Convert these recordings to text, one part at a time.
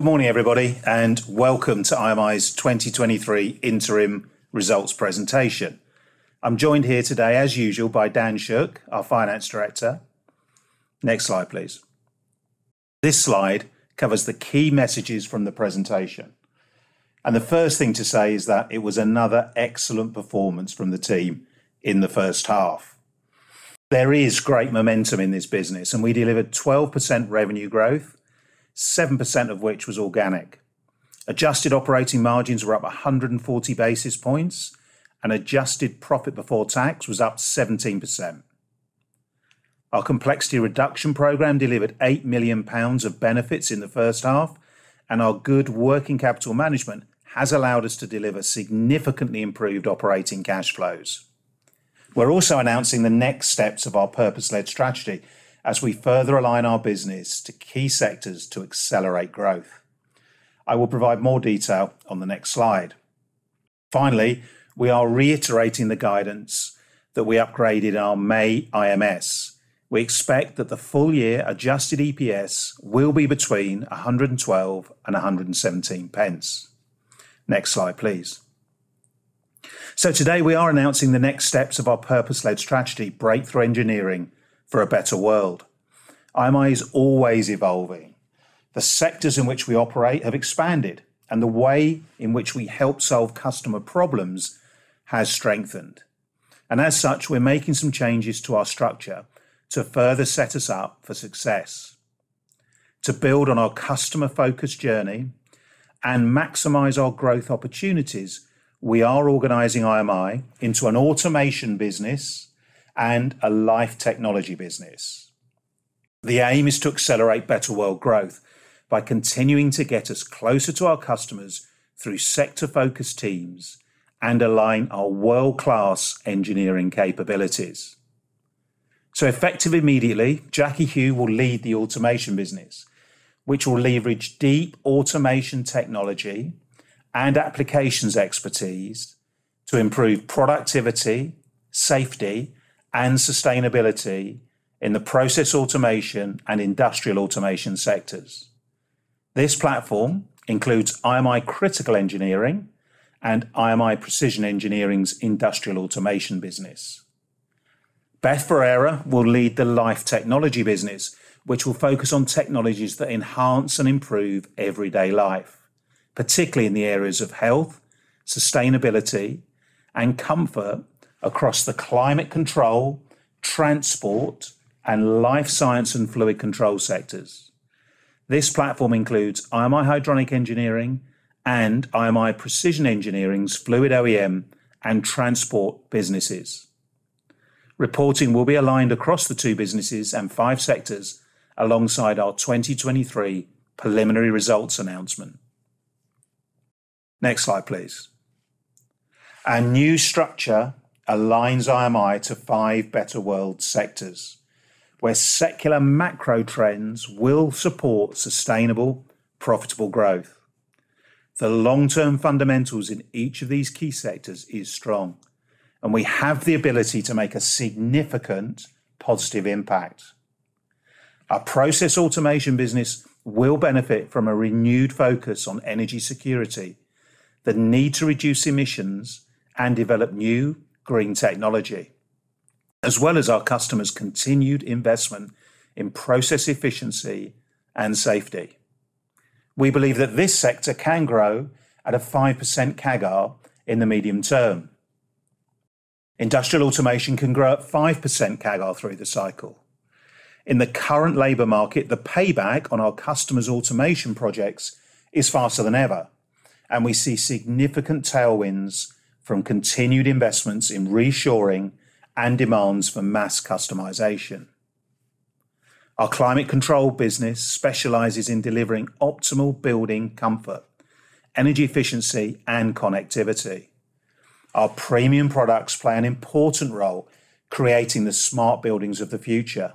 Good morning, everybody, welcome to IMI's 2023 Interim Results Presentation. I'm joined here today, as usual, by Dan Shook, our Finance Director. Next slide, please. This slide covers the key messages from the presentation, and the first thing to say is that it was another excellent performance from the team in the first half. There is great momentum in this business, and we delivered 12% revenue growth, 7% of which was organic. Adjusted operating margins were up 140 basis points, and adjusted profit before tax was up 17%. Our Complexity Reduction Program delivered 8 million pounds of benefits in the first half, and our good working capital management has allowed us to deliver significantly improved operating cash flows. We're also announcing the next steps of our purpose-led strategy as we further align our business to key sectors to accelerate growth. I will provide more detail on the next slide. We are reiterating the guidance that we upgraded our May IMS. We expect that the full year Adjusted EPS will be between 1.12 and 1.17. Next slide, please. Today, we are announcing the next steps of our purpose-led strategy: breakthrough engineering for a better world. IMI is always evolving. The sectors in which we operate have expanded, and the way in which we help solve customer problems has strengthened. As such, we're making some changes to our structure to further set us up for success. To build on our customer-focused journey and maximize our growth opportunities, we are organizing IMI into an Automation business and a Life Technology business. The aim is to accelerate better world growth by continuing to get us closer to our customers through sector-focused teams and align our world-class engineering capabilities. Effectively immediately, Jackie Hu will lead the Automation business, which will leverage deep automation technology and applications expertise to improve productivity, safety, and sustainability in the process automation and Industrial Automation sectors. This platform includes IMI Critical Engineering and IMI Precision Engineering's Industrial Automation business. Beth Ferreira will lead the Life Technology business, which will focus on technologies that enhance and improve everyday life, particularly in the areas of health, sustainability, and comfort across the climate control, transport, and life science and fluid control sectors. This platform includes IMI Hydronic Engineering and IMI Precision Engineering's fluid OEM and transport businesses. Reporting will be aligned across the two businesses and five sectors alongside our 2023 preliminary results announcement. Next slide, please. Our new structure aligns IMI to five better world sectors, where secular macro trends will support sustainable, profitable growth. The long-term fundamentals in each of these key sectors is strong, and we have the ability to make a significant positive impact. Our process automation business will benefit from a renewed focus on energy security, the need to reduce emissions and develop new green technology, as well as our customers' continued investment in process efficiency and safety. We believe that this sector can grow at a 5% CAGR in the medium term. Industrial automation can grow at 5% CAGR through the cycle. In the current labor market, the payback on our customers' automation projects is faster than ever, and we see significant tailwinds from continued investments in reshoring and demands for mass customization. Our climate control business specializes in delivering optimal building comfort, energy efficiency, and connectivity. Our premium products play an important role creating the smart buildings of the future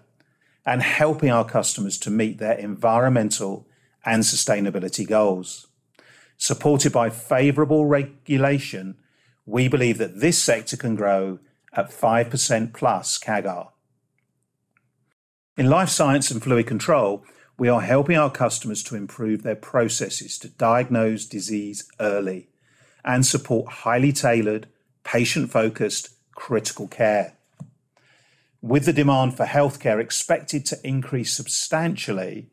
and helping our customers to meet their environmental and sustainability goals. Supported by favorable regulation, we believe that this sector can grow at 5%+ CAGR. In life science and fluid control, we are helping our customers to improve their processes to diagnose disease early and support highly tailored, patient-focused critical care. With the demand for healthcare expected to increase substantially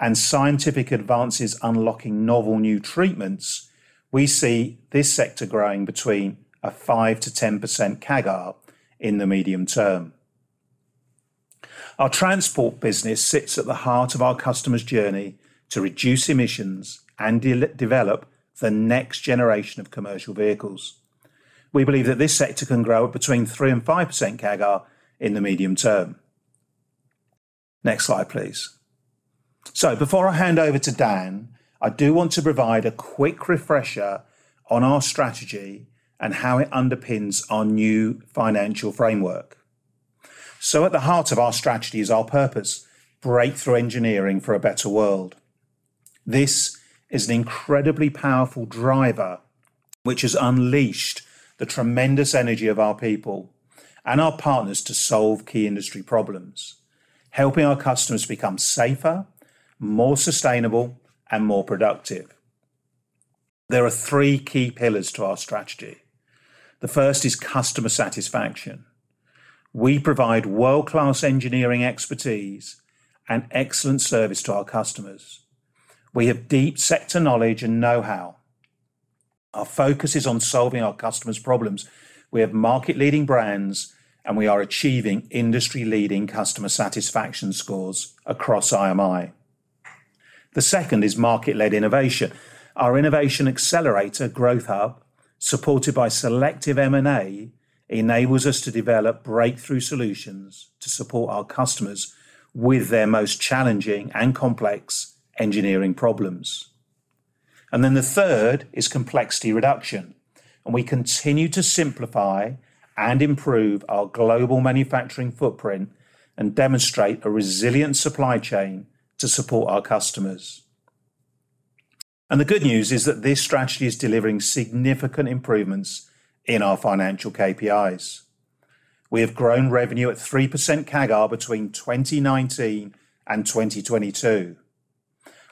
and scientific advances unlocking novel new treatments, we see this sector growing between a 5%-10% CAGR in the medium term. Our transport business sits at the heart of our customers' journey to reduce emissions and develop the next generation of commercial vehicles. We believe that this sector can grow between 3%-5% CAGR in the medium term. Next slide, please. Before I hand over to Dan, I do want to provide a quick refresher on our strategy and how it underpins our new financial framework. At the heart of our strategy is our purpose: breakthrough engineering for a better world. This is an incredibly powerful driver which has unleashed the tremendous energy of our people and our partners to solve key industry problems, helping our customers become safer, more sustainable, and more productive. There are three key pillars to our strategy. The first is customer satisfaction. We provide world-class engineering expertise and excellent service to our customers. We have deep sector knowledge and know-how. Our focus is on solving our customers' problems. We have market-leading brands, and we are achieving industry-leading customer satisfaction scores across IMI. The second is market-led innovation. Our innovation accelerator, Growth Hub, supported by selective M&A, enables us to develop breakthrough solutions to support our customers with their most challenging and complex engineering problems. The third is complexity reduction, and we continue to simplify and improve our global manufacturing footprint and demonstrate a resilient supply chain to support our customers. The good news is that this strategy is delivering significant improvements in our financial KPIs. We have grown revenue at 3% CAGR between 2019 and 2022.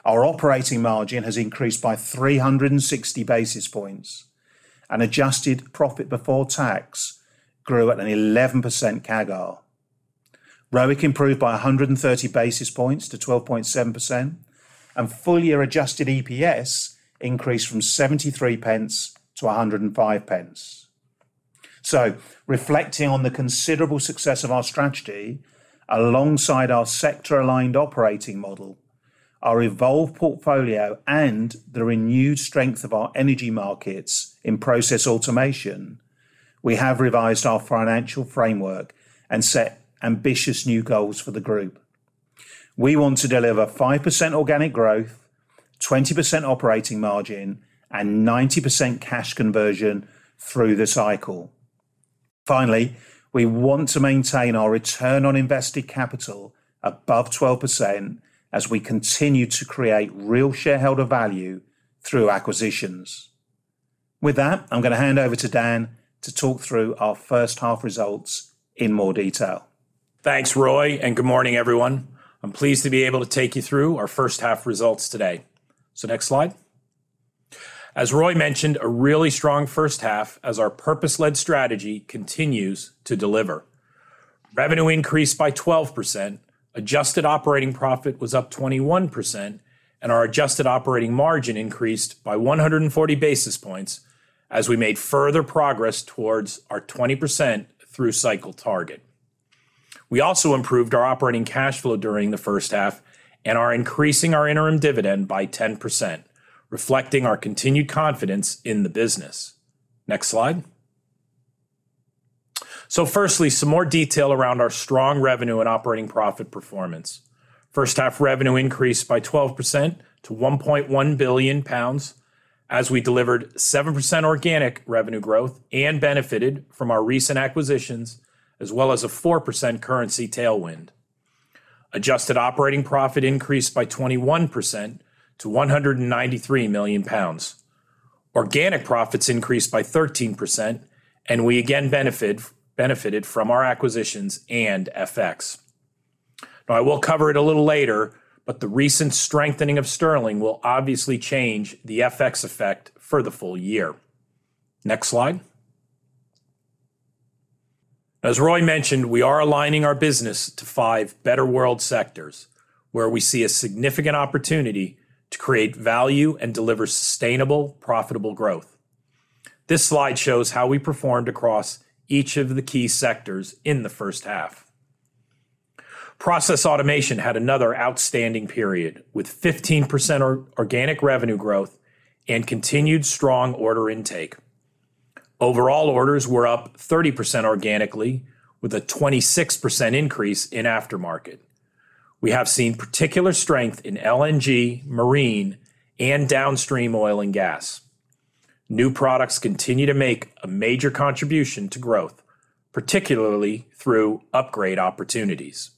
Our operating margin has increased by 360 basis points, and adjusted profit before tax grew at an 11% CAGR. ROIC improved by 130 basis points to 12.7%, and full-year Adjusted EPS increased from 0.73 to 1.05. Reflecting on the considerable success of our strategy, alongside our sector-aligned operating model, our evolved portfolio, and the renewed strength of our energy markets in process automation, we have revised our financial framework and set ambitious new goals for the group. We want to deliver 5% organic growth, 20% operating margin, and 90% cash conversion through the cycle. Finally, we want to maintain our return on invested capital above 12% as we continue to create real shareholder value through acquisitions. With that, I'm going to hand over to Dan to talk through our first half results in more detail. Thanks, Roy. Good morning, everyone. I'm pleased to be able to take you through our first half results today. Next slide. As Roy mentioned, a really strong first half as our purpose-led strategy continues to deliver. Revenue increased by 12%, adjusted operating profit was up 21%, and our adjusted operating margin increased by 140 basis points as we made further progress towards our 20% through-cycle target. We also improved our operating cash flow during the first half and are increasing our interim dividend by 10%, reflecting our continued confidence in the business. Next slide. Firstly, some more detail around our strong revenue and operating profit performance. First half revenue increased by 12% to 1.1 billion pounds, as we delivered 7% organic revenue growth and benefited from our recent acquisitions, as well as a 4% currency tailwind. Adjusted operating profit increased by 21% to 193 million pounds. Organic profits increased by 13%, we again benefited from our acquisitions and FX. I will cover it a little later, the recent strengthening of sterling will obviously change the FX effect for the full year. Next slide. As Roy mentioned, we are aligning our business to five better world sectors, where we see a significant opportunity to create value and deliver sustainable, profitable growth. This slide shows how we performed across each of the key sectors in the first half. Process automation had another outstanding period, with 15% organic revenue growth and continued strong order intake. Overall, orders were up 30% organically, with a 26% increase in aftermarket. We have seen particular strength in LNG, marine, and downstream oil and gas. New products continue to make a major contribution to growth, particularly through upgrade opportunities.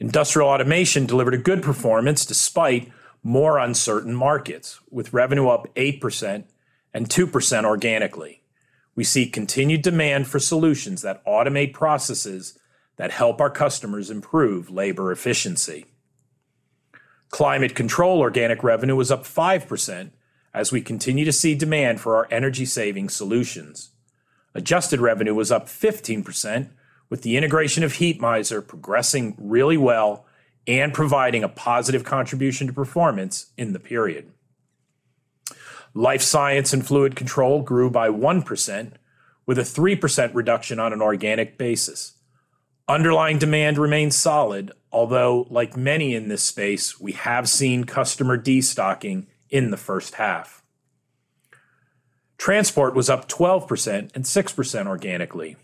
Industrial automation delivered a good performance despite more uncertain markets, with revenue up 8% and 2% organically. We see continued demand for solutions that automate processes that help our customers improve labor efficiency. Climate control organic revenue was up 5%, as we continue to see demand for our energy-saving solutions. Adjusted revenue was up 15%, with the integration of Heatmiser progressing really well and providing a positive contribution to performance in the period. Life science and fluid control grew by 1%, with a 3% reduction on an organic basis. Underlying demand remains solid, although, like many in this space, we have seen customer destocking in the first half. Transport was up 12% and 6% organically.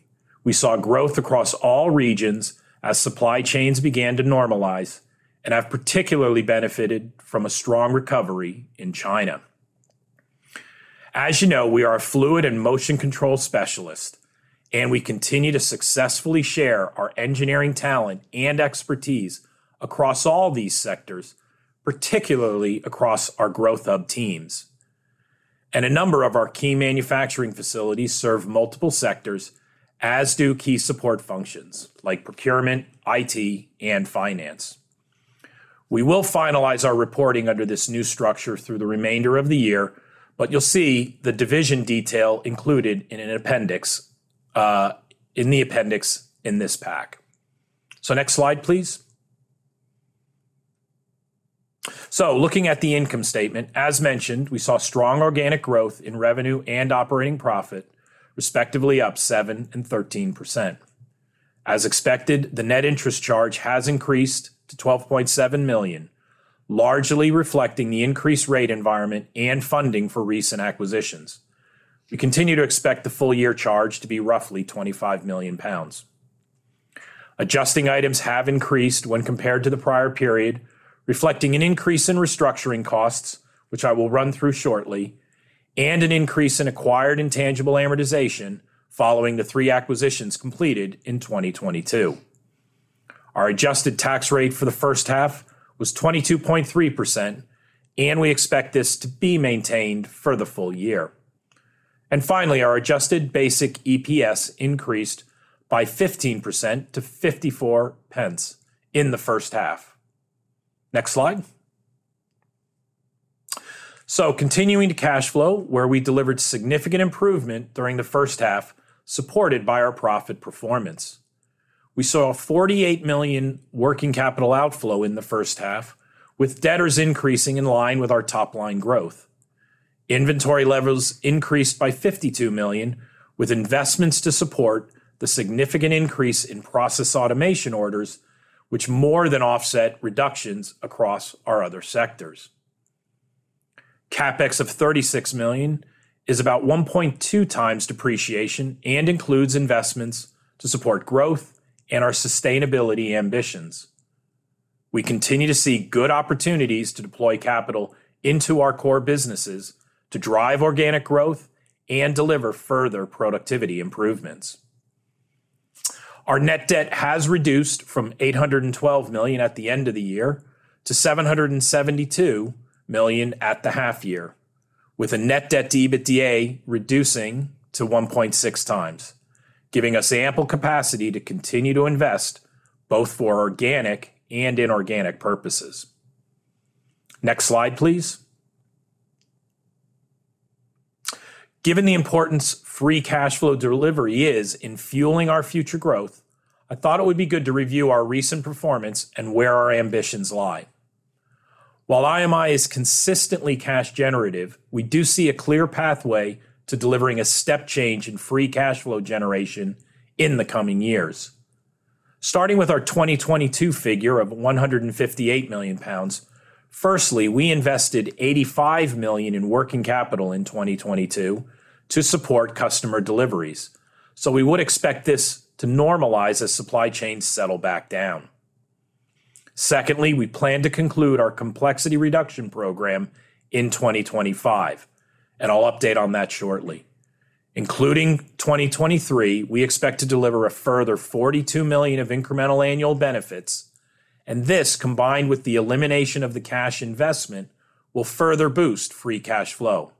We saw growth across all regions as supply chains began to normalize and have particularly benefited from a strong recovery in China. As you know, we are a fluid and motion control specialist. We continue to successfully share our engineering talent and expertise across all these sectors, particularly across our Growth Hub teams. A number of our key manufacturing facilities serve multiple sectors, as do key support functions like procurement, IT, and finance. We will finalize our reporting under this new structure through the remainder of the year, but you'll see the division detail included in an appendix, in the appendix in this pack. Next slide, please. Looking at the income statement, as mentioned, we saw strong organic growth in revenue and operating profit, respectively up 7% and 13%. As expected, the net interest charge has increased to 12.7 million, largely reflecting the increased rate environment and funding for recent acquisitions. We continue to expect the full-year charge to be roughly 25 million pounds. Adjusting items have increased when compared to the prior period, reflecting an increase in restructuring costs, which I will run through shortly, and an increase in acquired intangible amortization following the three acquisitions completed in 2022. Our adjusted tax rate for the first half was 22.3%. We expect this to be maintained for the full year. Finally, our adjusted basic EPS increased by 15% to 0.54 in the first half. Next slide. Continuing to cash flow, where we delivered significant improvement during the first half, supported by our profit performance. We saw a 48 million working capital outflow in the first half, with debtors increasing in line with our top-line growth. Inventory levels increased by 52 million, with investments to support the significant increase in process automation orders, which more than offset reductions across our other sectors. CapEx of 36 million is about 1.2x depreciation and includes investments to support growth and our sustainability ambitions. We continue to see good opportunities to deploy capital into our core businesses to drive organic growth and deliver further productivity improvements. Our net debt has reduced from 812 million at the end of the year to 772 million at the half year, with a net debt to EBITDA reducing to 1.6x, giving us ample capacity to continue to invest both for organic and inorganic purposes. Next slide, please. Given the importance free cash flow delivery is in fueling our future growth, I thought it would be good to review our recent performance and where our ambitions lie. While IMI is consistently cash generative, we do see a clear pathway to delivering a step change in free cash flow generation in the coming years. Starting with our 2022 figure of 158 million pounds, firstly, we invested 85 million in working capital in 2022 to support customer deliveries. We would expect this to normalize as supply chains settle back down. Secondly, we plan to conclude our Complexity Reduction Program in 2025, and I'll update on that shortly. Including 2023, we expect to deliver a further 42 million of incremental annual benefits, and this, combined with the elimination of the cash investment, will further boost free cash flow.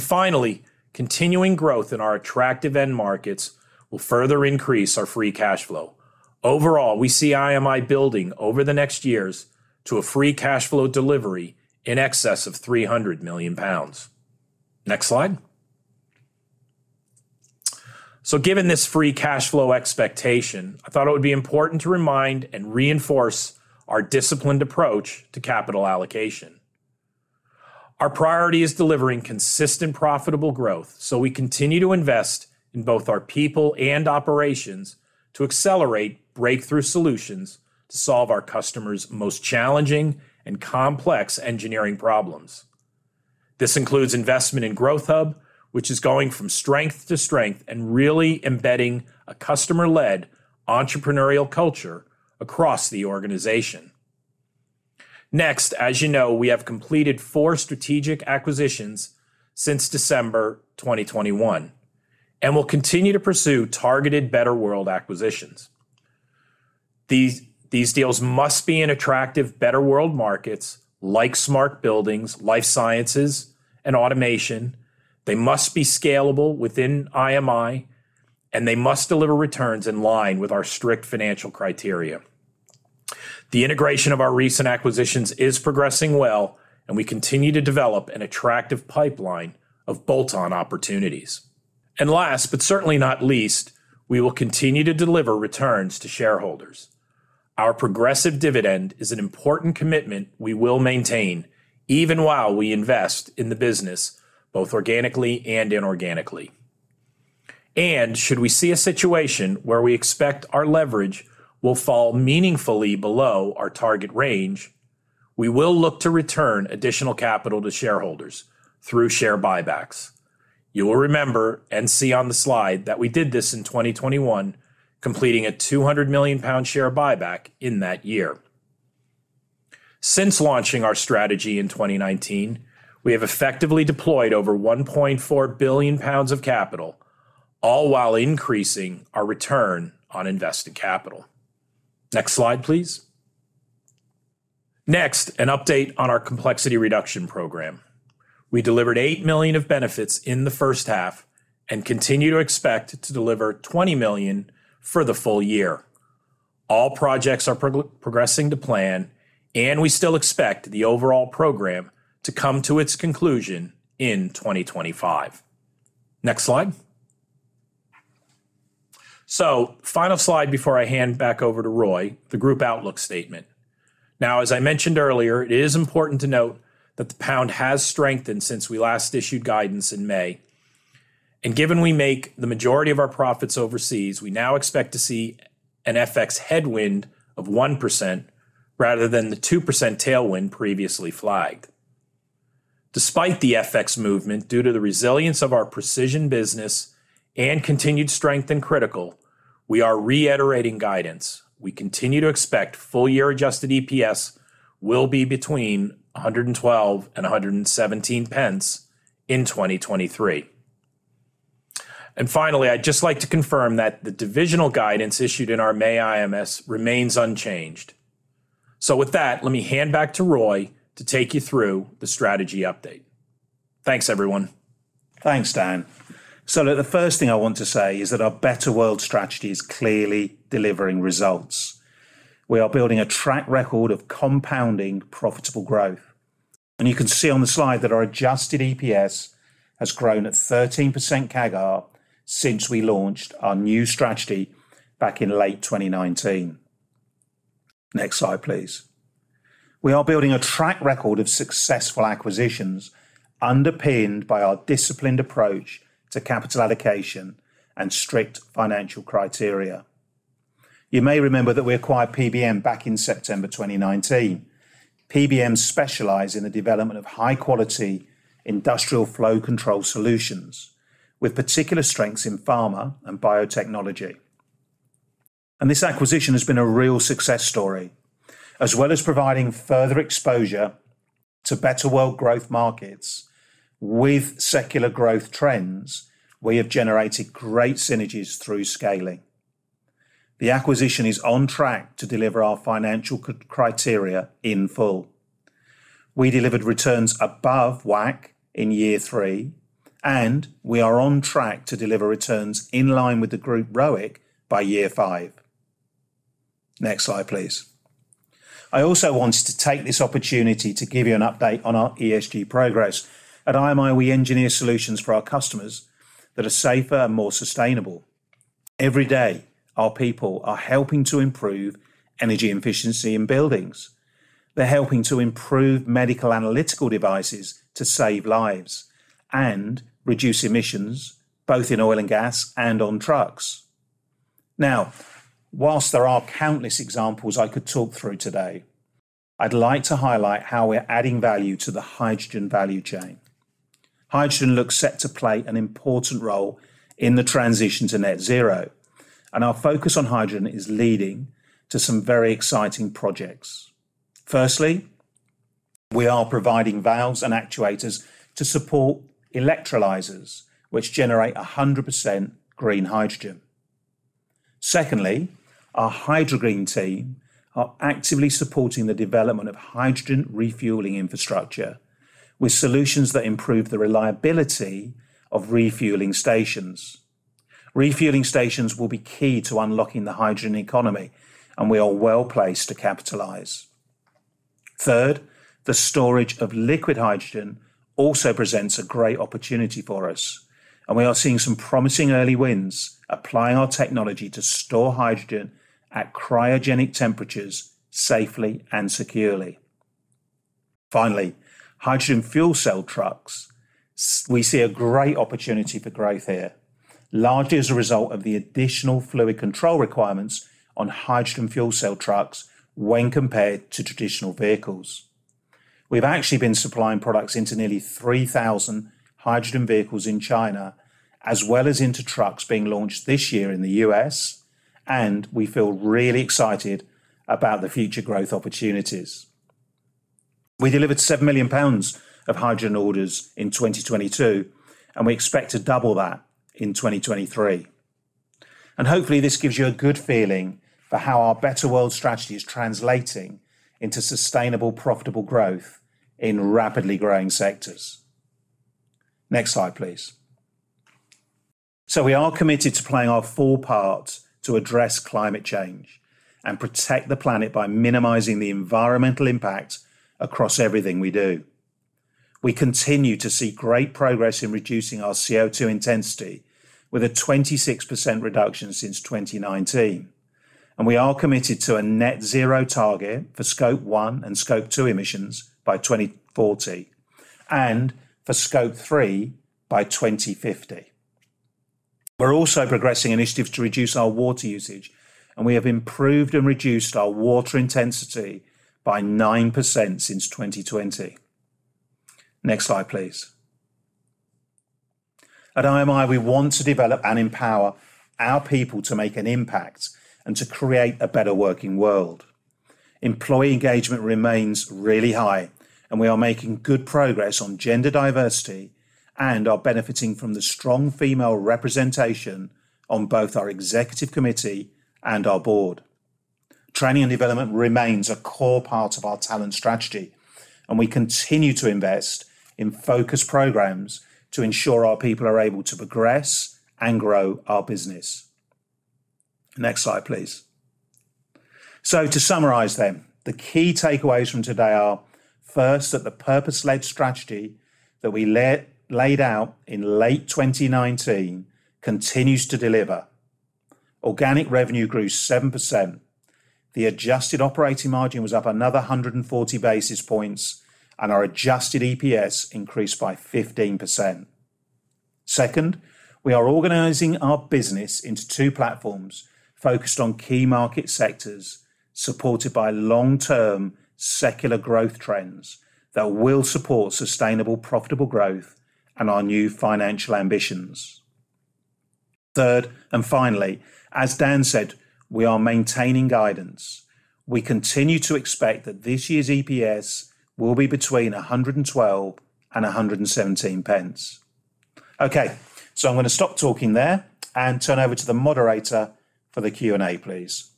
Finally, continuing growth in our attractive end markets will further increase our free cash flow. Overall, we see IMI building over the next years to a free cash flow delivery in excess of 300 million pounds. Next slide. Given this free cash flow expectation, I thought it would be important to remind and reinforce our disciplined approach to capital allocation. Our priority is delivering consistent, profitable growth, so we continue to invest in both our people and operations to accelerate breakthrough solutions to solve our customers' most challenging and complex engineering problems. This includes investment in Growth Hub, which is going from strength to strength and really embedding a customer-led, entrepreneurial culture across the organization. Next, as you know, we have completed four strategic acquisitions since December 2021 and will continue to pursue targeted better world acquisitions. These deals must be in attractive, better world markets like smart buildings, life sciences, and automation. They must be scalable within IMI, and they must deliver returns in line with our strict financial criteria. The integration of our recent acquisitions is progressing well, and we continue to develop an attractive pipeline of bolt-on opportunities. Last, but certainly not least, we will continue to deliver returns to shareholders. Our progressive dividend is an important commitment we will maintain even while we invest in the business, both organically and inorganically. Should we see a situation where we expect our leverage will fall meaningfully below our target range, we will look to return additional capital to shareholders through share buybacks. You will remember and see on the slide that we did this in 2021, completing a 200 million pound share buyback in that year. Since launching our strategy in 2019, we have effectively deployed over 1.4 billion pounds of capital, all while increasing our return on invested capital. Next slide, please. Next, an update on our complexity reduction program. We delivered 8 million of benefits in the first half. Continue to expect to deliver 20 million for the full year. All projects are progressing to plan, and we still expect the overall program to come to its conclusion in 2025. Final slide before I hand back over to Roy, the group outlook statement. As I mentioned earlier, it is important to note that the pound has strengthened since we last issued guidance in May. Given we make the majority of our profits overseas, we now expect to see an FX headwind of 1% rather than the 2% tailwind previously flagged. Despite the FX movement, due to the resilience of our precision business and continued strength in critical, we are reiterating guidance. We continue to expect full year Adjusted EPS will be between 1.12 and 1.17 in 2023. Finally, I would just like to confirm that the divisional guidance issued in our May IMS remains unchanged. With that, let me hand back to Roy to take you through the strategy update. Thanks, everyone. Thanks, Dan. The first thing I want to say is that our Better World strategy is clearly delivering results. We are building a track record of compounding profitable growth, and you can see on the slide that our Adjusted EPS has grown at 13% CAGR since we launched our new strategy back in late 2019. Next slide, please. We are building a track record of successful acquisitions, underpinned by our disciplined approach to capital allocation and strict financial criteria. You may remember that we acquired PBM back in September 2019. PBM specialize in the development of high-quality industrial flow control solutions, with particular strengths in pharma and biotechnology. This acquisition has been a real success story. As well as providing further exposure to Better World growth markets with secular growth trends, we have generated great synergies through scaling. The acquisition is on track to deliver our financial criteria in full. We delivered returns above WACC in year three, and we are on track to deliver returns in line with the group ROIC by year five. Next slide, please. I also wanted to take this opportunity to give you an update on our ESG progress. At IMI, we engineer solutions for our customers that are safer and more sustainable. Every day, our people are helping to improve energy efficiency in buildings. They're helping to improve medical analytical devices to save lives and reduce emissions, both in oil and gas and on trucks. While there are countless examples I could talk through today, I'd like to highlight how we're adding value to the hydrogen value chain. Hydrogen looks set to play an important role in the transition to net zero, our focus on hydrogen is leading to some very exciting projects. Firstly, we are providing valves and actuators to support electrolyzers, which generate 100% green hydrogen. Secondly, our HydroGreen team are actively supporting the development of hydrogen refueling infrastructure with solutions that improve the reliability of refueling stations. Refueling stations will be key to unlocking the hydrogen economy, we are well-placed to capitalize. Third, the storage of liquid hydrogen also presents a great opportunity for us, we are seeing some promising early wins, applying our technology to store hydrogen at cryogenic temperatures safely and securely. Finally, hydrogen fuel cell trucks. We see a great opportunity for growth here, largely as a result of the additional fluid control requirements on hydrogen fuel cell trucks when compared to traditional vehicles. We've actually been supplying products into nearly 3,000 hydrogen vehicles in China, as well as into trucks being launched this year in the US. We feel really excited about the future growth opportunities. We delivered 7 million pounds of hydrogen orders in 2022. We expect to double that in 2023. Hopefully, this gives you a good feeling for how our Better World Strategy is translating into sustainable, profitable growth in rapidly growing sectors. Next slide, please. We are committed to playing our full part to address climate change and protect the planet by minimizing the environmental impact across everything we do. We continue to see great progress in reducing our CO2 intensity, with a 26% reduction since 2019. We are committed to a net zero target for Scope 1 and Scope 2 emissions by 2040, and for Scope 3 by 2050. We're also progressing initiatives to reduce our water usage. We have improved and reduced our water intensity by 9% since 2020. Next slide, please. At IMI, we want to develop and empower our people to make an impact and to create a better working world. Employee engagement remains really high. We are making good progress on gender diversity, and are benefiting from the strong female representation on both our executive committee and our board. Training and development remains a core part of our talent strategy. We continue to invest in focused programs to ensure our people are able to progress and grow our business. Next slide, please. To summarize then, the key takeaways from today are, first, that the purpose-led strategy that we laid, laid out in late 2019 continues to deliver. Organic revenue grew 7%, the adjusted operating margin was up another 140 basis points, our Adjusted EPS increased by 15%. Second, we are organizing our business into two platforms focused on key market sectors, supported by long-term secular growth trends that will support sustainable, profitable growth and our new financial ambitions. Third, finally, as Dan said, we are maintaining guidance. We continue to expect that this year's EPS will be between 112 and 117. Okay, I'm gonna stop talking there and turn over to the moderator for the Q&A, please.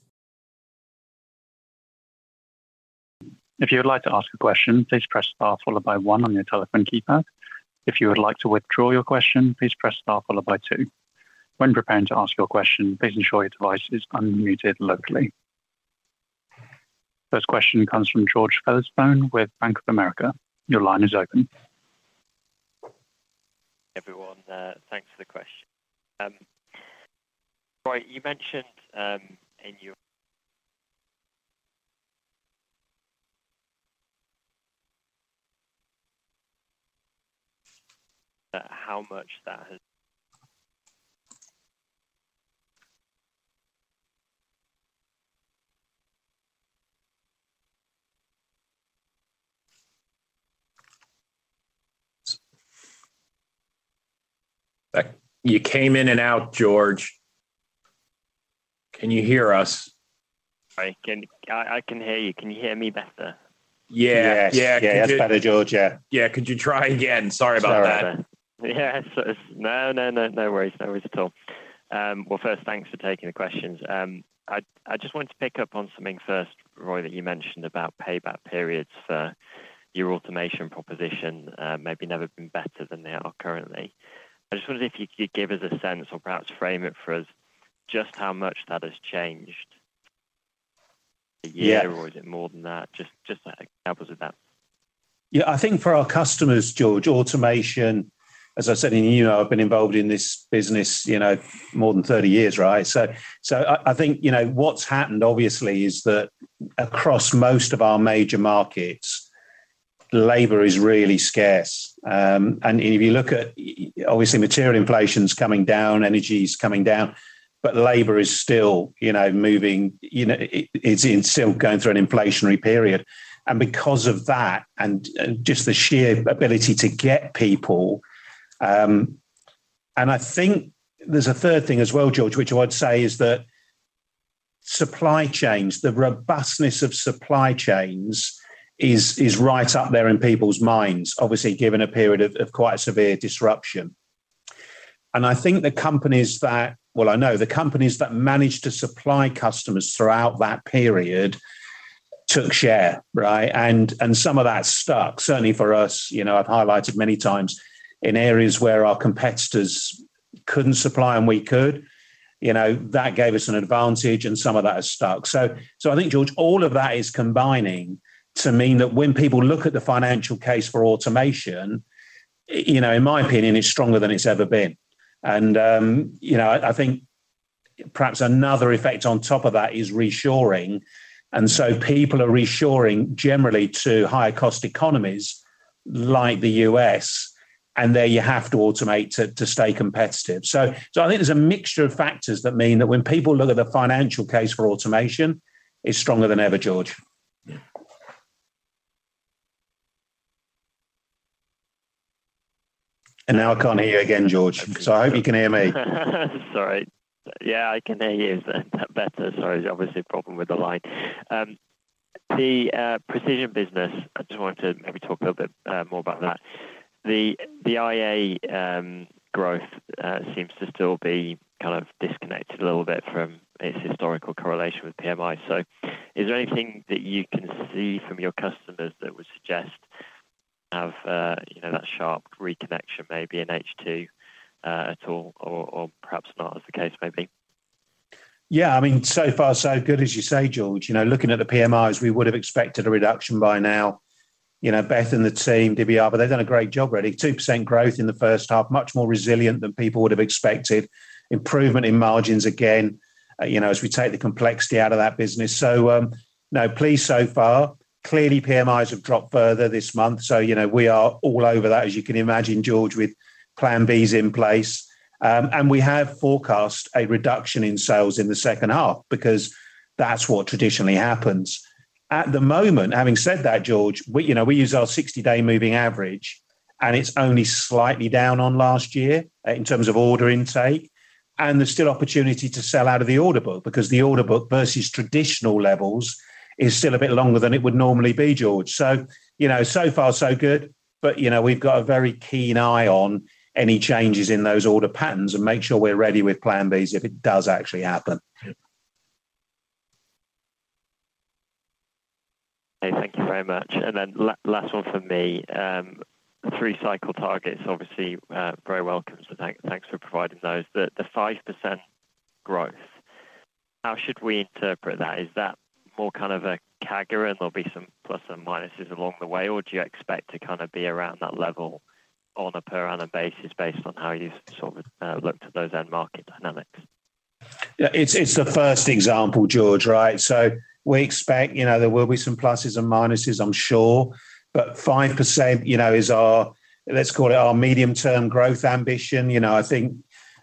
If you would like to ask a question, please press star followed by one on your telephone keypad. If you would like to withdraw your question, please press star followed by two. When preparing to ask your question, please ensure your device is unmuted locally. First question comes from George Featherstone with Bank of America. Your line is open. Everyone, thanks for the question. Roy, you mentioned in your. How much that has. You came in and out, George. Can you hear us? I can, I can hear you. Can you hear me better? Yeah. Yes. Yeah. That's better, George. Yeah. Yeah. Could you try again? Sorry about that. Sorry about that. Yes. No, no, no, no worries, no worries at all. Well, first, thanks for taking the questions. I, I just wanted to pick up on something first, Roy, that you mentioned about payback periods for your automation proposition, maybe never been better than they are currently. I just wondered if you could give us a sense or perhaps frame it for us, just how much that has changed. Yeah A year, or is it more than that? Just, just examples of that. Yeah, I think for our customers, George, automation, as I said in, you know, I've been involved in this business, you know, more than 30 years, right? I think, you know, what's happened obviously, is that across most of our major markets, labor is really scarce. If you look at obviously material inflation's coming down, energy is coming down, but labor is still, you know, moving. You know, it, it's still going through an inflationary period. Because of that and, and just the sheer ability to get people, I think there's a third thing as well, George, which I'd say is that supply chains, the robustness of supply chains is, is right up there in people's minds, obviously, given a period of, of quite a severe disruption. I think the companies that. Well, I know the companies that managed to supply customers throughout that period took share, right? And some of that stuck, certainly for us. You know, I've highlighted many times in areas where our competitors couldn't supply and we could, you know, that gave us an advantage, and some of that has stuck. So I think, George, all of that is combining to mean that when people look at the financial case for automation, you know, in my opinion, it's stronger than it's ever been. You know, I, I think perhaps another effect on top of that is reshoring. So people are reshoring generally to higher cost economies like the US, and there you have to automate to, to stay competitive. I think there's a mixture of factors that mean that when people look at the financial case for Automation, it's stronger than ever, George. Yeah. Now I can't hear you again, George, so I hope you can hear me. Sorry. Yeah, I can hear you better. Sorry, there's obviously a problem with the line. The Precision business, I just wanted to maybe talk a little bit more about that. The IA growth seems to still be kind of disconnected a little bit from its historical correlation with PMI. Is there anything that you can see from your customers that would suggest have, you know, that sharp reconnection maybe in H2 at all, or perhaps not as the case may be? Yeah, I mean, so far so good, as you say, George. You know, looking at the PMIs, we would have expected a reduction by now. You know, Beth and the team, they've done a great job already. 2% growth in the first half, much more resilient than people would have expected. Improvement in margins again, you know, as we take the complexity out of that business. No, pleased so far. Clearly, PMIs have dropped further this month, you know, we are all over that, as you can imagine, George, with Plan Bs in place. We have forecast a reduction in sales in the second half because that's what traditionally happens. At the moment, having said that, George, we, you know, we use our 60-day moving average, and it's only slightly down on last year in terms of order intake. There's still opportunity to sell out of the order book, because the order book versus traditional levels is still a bit longer than it would normally be, George. You know, so far so good, but, you know, we've got a very keen eye on any changes in those order patterns and make sure we're ready with Plan Bs if it does actually happen. Okay, thank you very much. Last one from me, three cycle targets, obviously, very welcome, so thanks for providing those. The 5% growth, how should we interpret that? Is that more kind of a CAGR, and there'll be some plus and minuses along the way, or do you expect to kind of be around that level on a per annum basis, based on how you've sort of looked at those end market dynamics? Yeah, it's, it's the first example, George, right? We expect, you know, there will be some pluses and minuses, I'm sure. 5%, you know, is our, let's call it, our medium-term growth ambition. You know, I think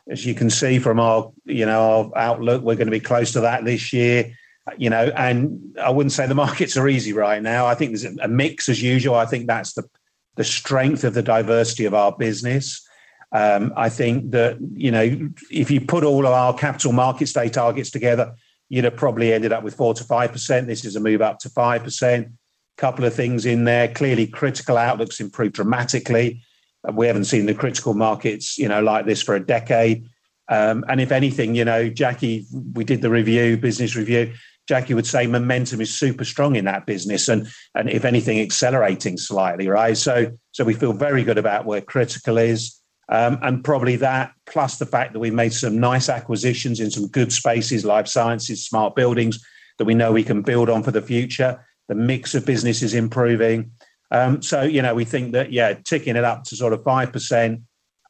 as you can see from our, you know, our outlook, we're gonna be close to that this year. You know, I wouldn't say the markets are easy right now. I think there's a, a mix as usual. I think that's the, the strength of the diversity of our business. I think that, you know, if you put all of our Capital Markets Day targets together, you'd have probably ended up with 4%-5%. This is a move up to 5%. Couple of things in there. Clearly, Critical outlook's improved dramatically. We haven't seen the Critical markets, you know, like this for a decade. If anything, you know, Jackie, we did the review, business review, Jackie would say momentum is super strong in that business and, and if anything, accelerating slightly, right? We feel very good about where critical is. Probably that plus the fact that we made some nice acquisitions in some good spaces, life sciences, smart buildings, that we know we can build on for the future. The mix of business is improving. You know, we think that, yeah, ticking it up to sort of 5%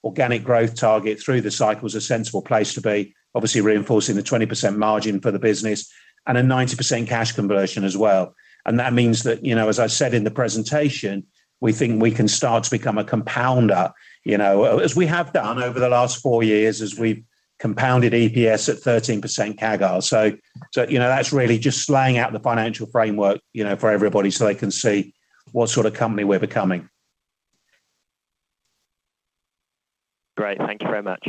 organic growth target through the cycle is a sensible place to be. Obviously, reinforcing the 20% margin for the business and a 90% cash conversion as well. That means that, you know, as I said in the presentation, we think we can start to become a compounder, you know, as we have done over the last four years, as we've compounded EPS at 13% CAGR. That's really just laying out the financial framework, you know, for everybody, so they can see what sort of company we're becoming. Great. Thank you very much.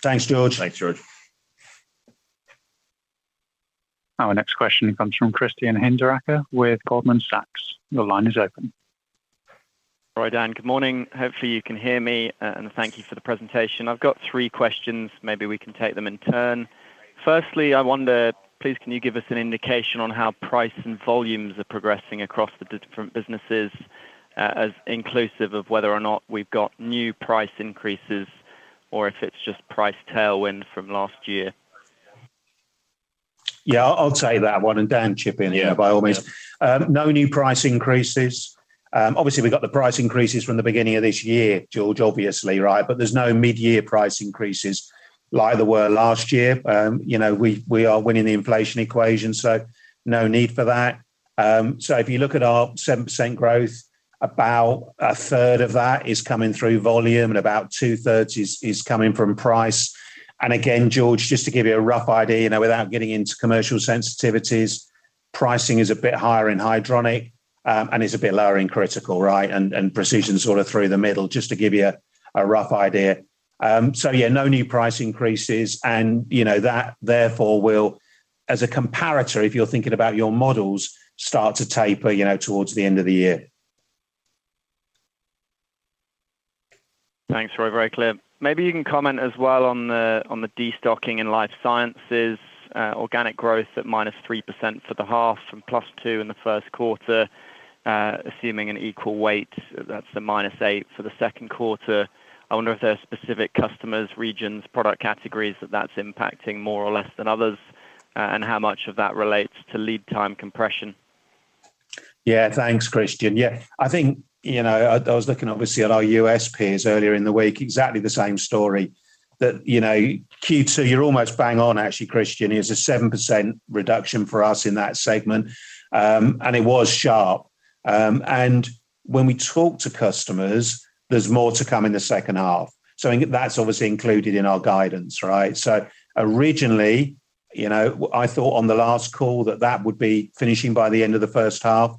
Thanks, George. Thanks, George. Our next question comes from Christian Hinderaker with Goldman Sachs. Your line is open. All right, Dan, good morning. Hopefully, you can hear me, and thank you for the presentation. I've got three questions. Maybe we can take them in turn. Firstly, I wonder, please, can you give us an indication on how price and volumes are progressing across the different businesses, as inclusive of whether or not we've got new price increases or if it's just price tailwind from last year? Yeah, I'll take that one, Dan, chip in here by all means. Yeah. No new price increases. Obviously, we've got the price increases from the beginning of this year, George, obviously, right? There's no mid-year price increases like there were last year. You know, we, we are winning the inflation equation, so no need for that. If you look at our 7% growth, about a third of that is coming through volume, and about 2/3 is, is coming from price. Again, George, just to give you a rough idea, you know, without getting into commercial sensitivities, pricing is a bit higher in Hydronic, and is a bit lower in Critical, right? Precision sort of through the middle, just to give you a, a rough idea. Yeah, no new price increases, and, you know, that therefore will, as a comparator, if you're thinking about your models, start to taper, you know, towards the end of the year. Thanks, Roy. Very clear. Maybe you can comment as well on the, on the destocking in life sciences, organic growth at -3% for the half from +2% in the Q1. Assuming an equal weight, that's the -8% for the Q2. I wonder if there are specific customers, regions, product categories that that's impacting more or less than others, and how much of that relates to lead time compression? Yeah. Thanks, Christian. Yeah, I think, you know, I, I was looking obviously at our US peers earlier in the week, exactly the same story. You know, Q2, you're almost bang on actually, Christian, it's a 7% reduction for us in that segment. It was sharp. When we talk to customers, there's more to come in the second half. I think that's obviously included in our guidance, right? Originally, you know, I thought on the last call that that would be finishing by the end of the first half.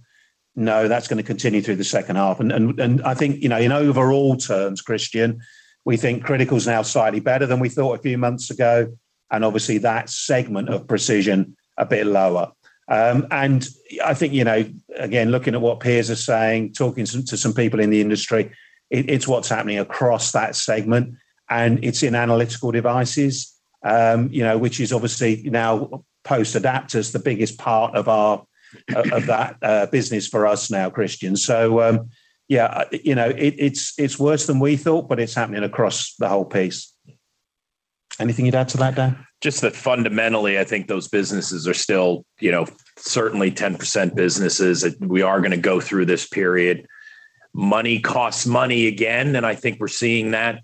No, that's gonna continue through the second half. I think, you know, in overall terms, Christian, we think Critical's now slightly better than we thought a few months ago, and obviously, that segment of Precision a bit lower. I think, you know, again, looking at what peers are saying, talking to some, to some people in the industry, it, it's what's happening across that segment, and it's in analytical devices. You know, which is obviously now post Adaptas, the biggest part of our- of that, business for us now, Christian. Yeah, you know, it, it's, it's worse than we thought, but it's happening across the whole piece. Anything you'd add to that, Dan? Just that fundamentally, I think those businesses are still, you know, certainly 10% businesses, that we are gonna go through this period. Money costs money again, and I think we're seeing that,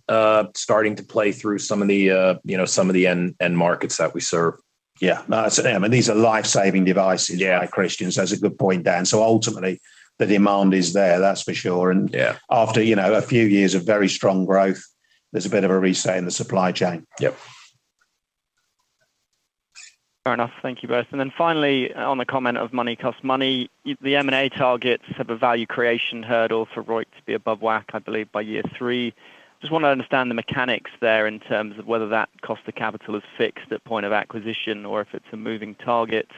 starting to play through some of the, you know, some of the end, end markets that we serve. Yeah, no, I mean, these are life-saving devices. Yeah. Christian. That's a good point, Dan. Ultimately, the demand is there, that's for sure. Yeah. After, you know, a few years of very strong growth, there's a bit of a reset in the supply chain. Yep. Fair enough. Thank you both. Then finally, on the comment of money costs money, the M&A targets have a value creation hurdle for ROI to be above WACC, I believe, by year three. Just want to understand the mechanics there in terms of whether that cost of capital is fixed at point of acquisition or if it's a moving target.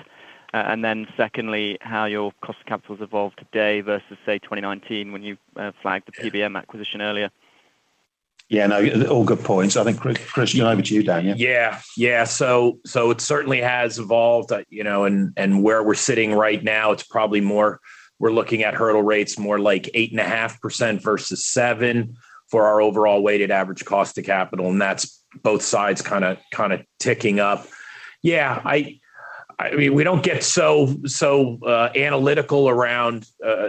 Then secondly, how your cost of capital has evolved today versus, say, 2019 when you flagged the PBM acquisition earlier. Yeah, no, all good points. I think, Christian, over to you, Dan. Yeah. So it certainly has evolved, you know, and where we're sitting right now, it's probably more we're looking at hurdle rates more like 8.5% versus 7% for our overall weighted average cost of capital, and that's both sides kinda ticking up. I mean, we don't get so analytical around,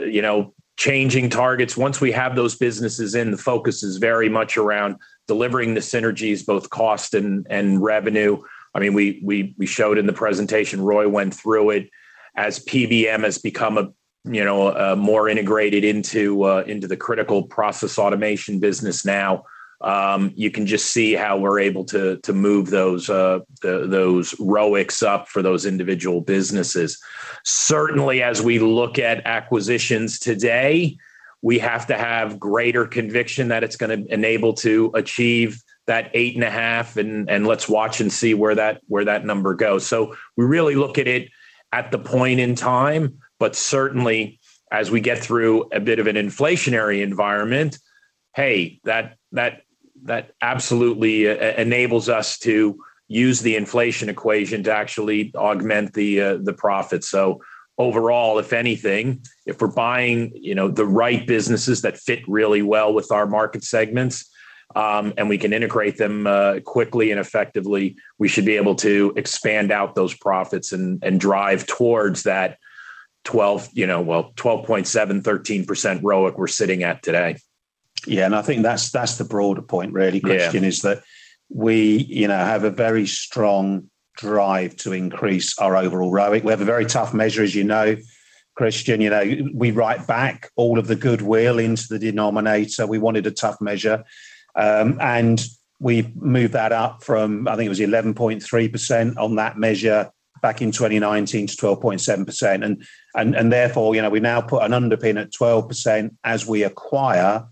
you know, changing targets. Once we have those businesses in, the focus is very much around delivering the synergies, both cost and revenue. I mean, we showed in the presentation, Roy went through it. As PBM has become, you know, more integrated into the critical process automation business now, you can just see how we're able to move those ROICs up for those individual businesses. Certainly, as we look at acquisitions today, we have to have greater conviction that it's gonna enable to achieve that 8.5, and let's watch and see where that number goes. We really look at it at the point in time, but certainly, as we get through a bit of an inflationary environment, hey, that, that, that absolutely enables us to use the inflation equation to actually augment the profit. Overall, if anything, if we're buying, you know, the right businesses that fit really well with our market segments, and we can integrate them quickly and effectively, we should be able to expand out those profits and drive towards that 12, you know, well, 12.7%-13% ROIC we're sitting at today. Yeah, I think that's, that's the broader point, really, Christian. Yeah. Is that we, you know, have a very strong drive to increase our overall ROIC. We have a very tough measure, as you know, Christian. You know, we write back all of the goodwill into the denominator. We wanted a tough measure, and we moved that up from, I think it was 11.3% on that measure back in 2019 to 12.7%. Therefore, you know, we now put an underpin at 12% as we acquire,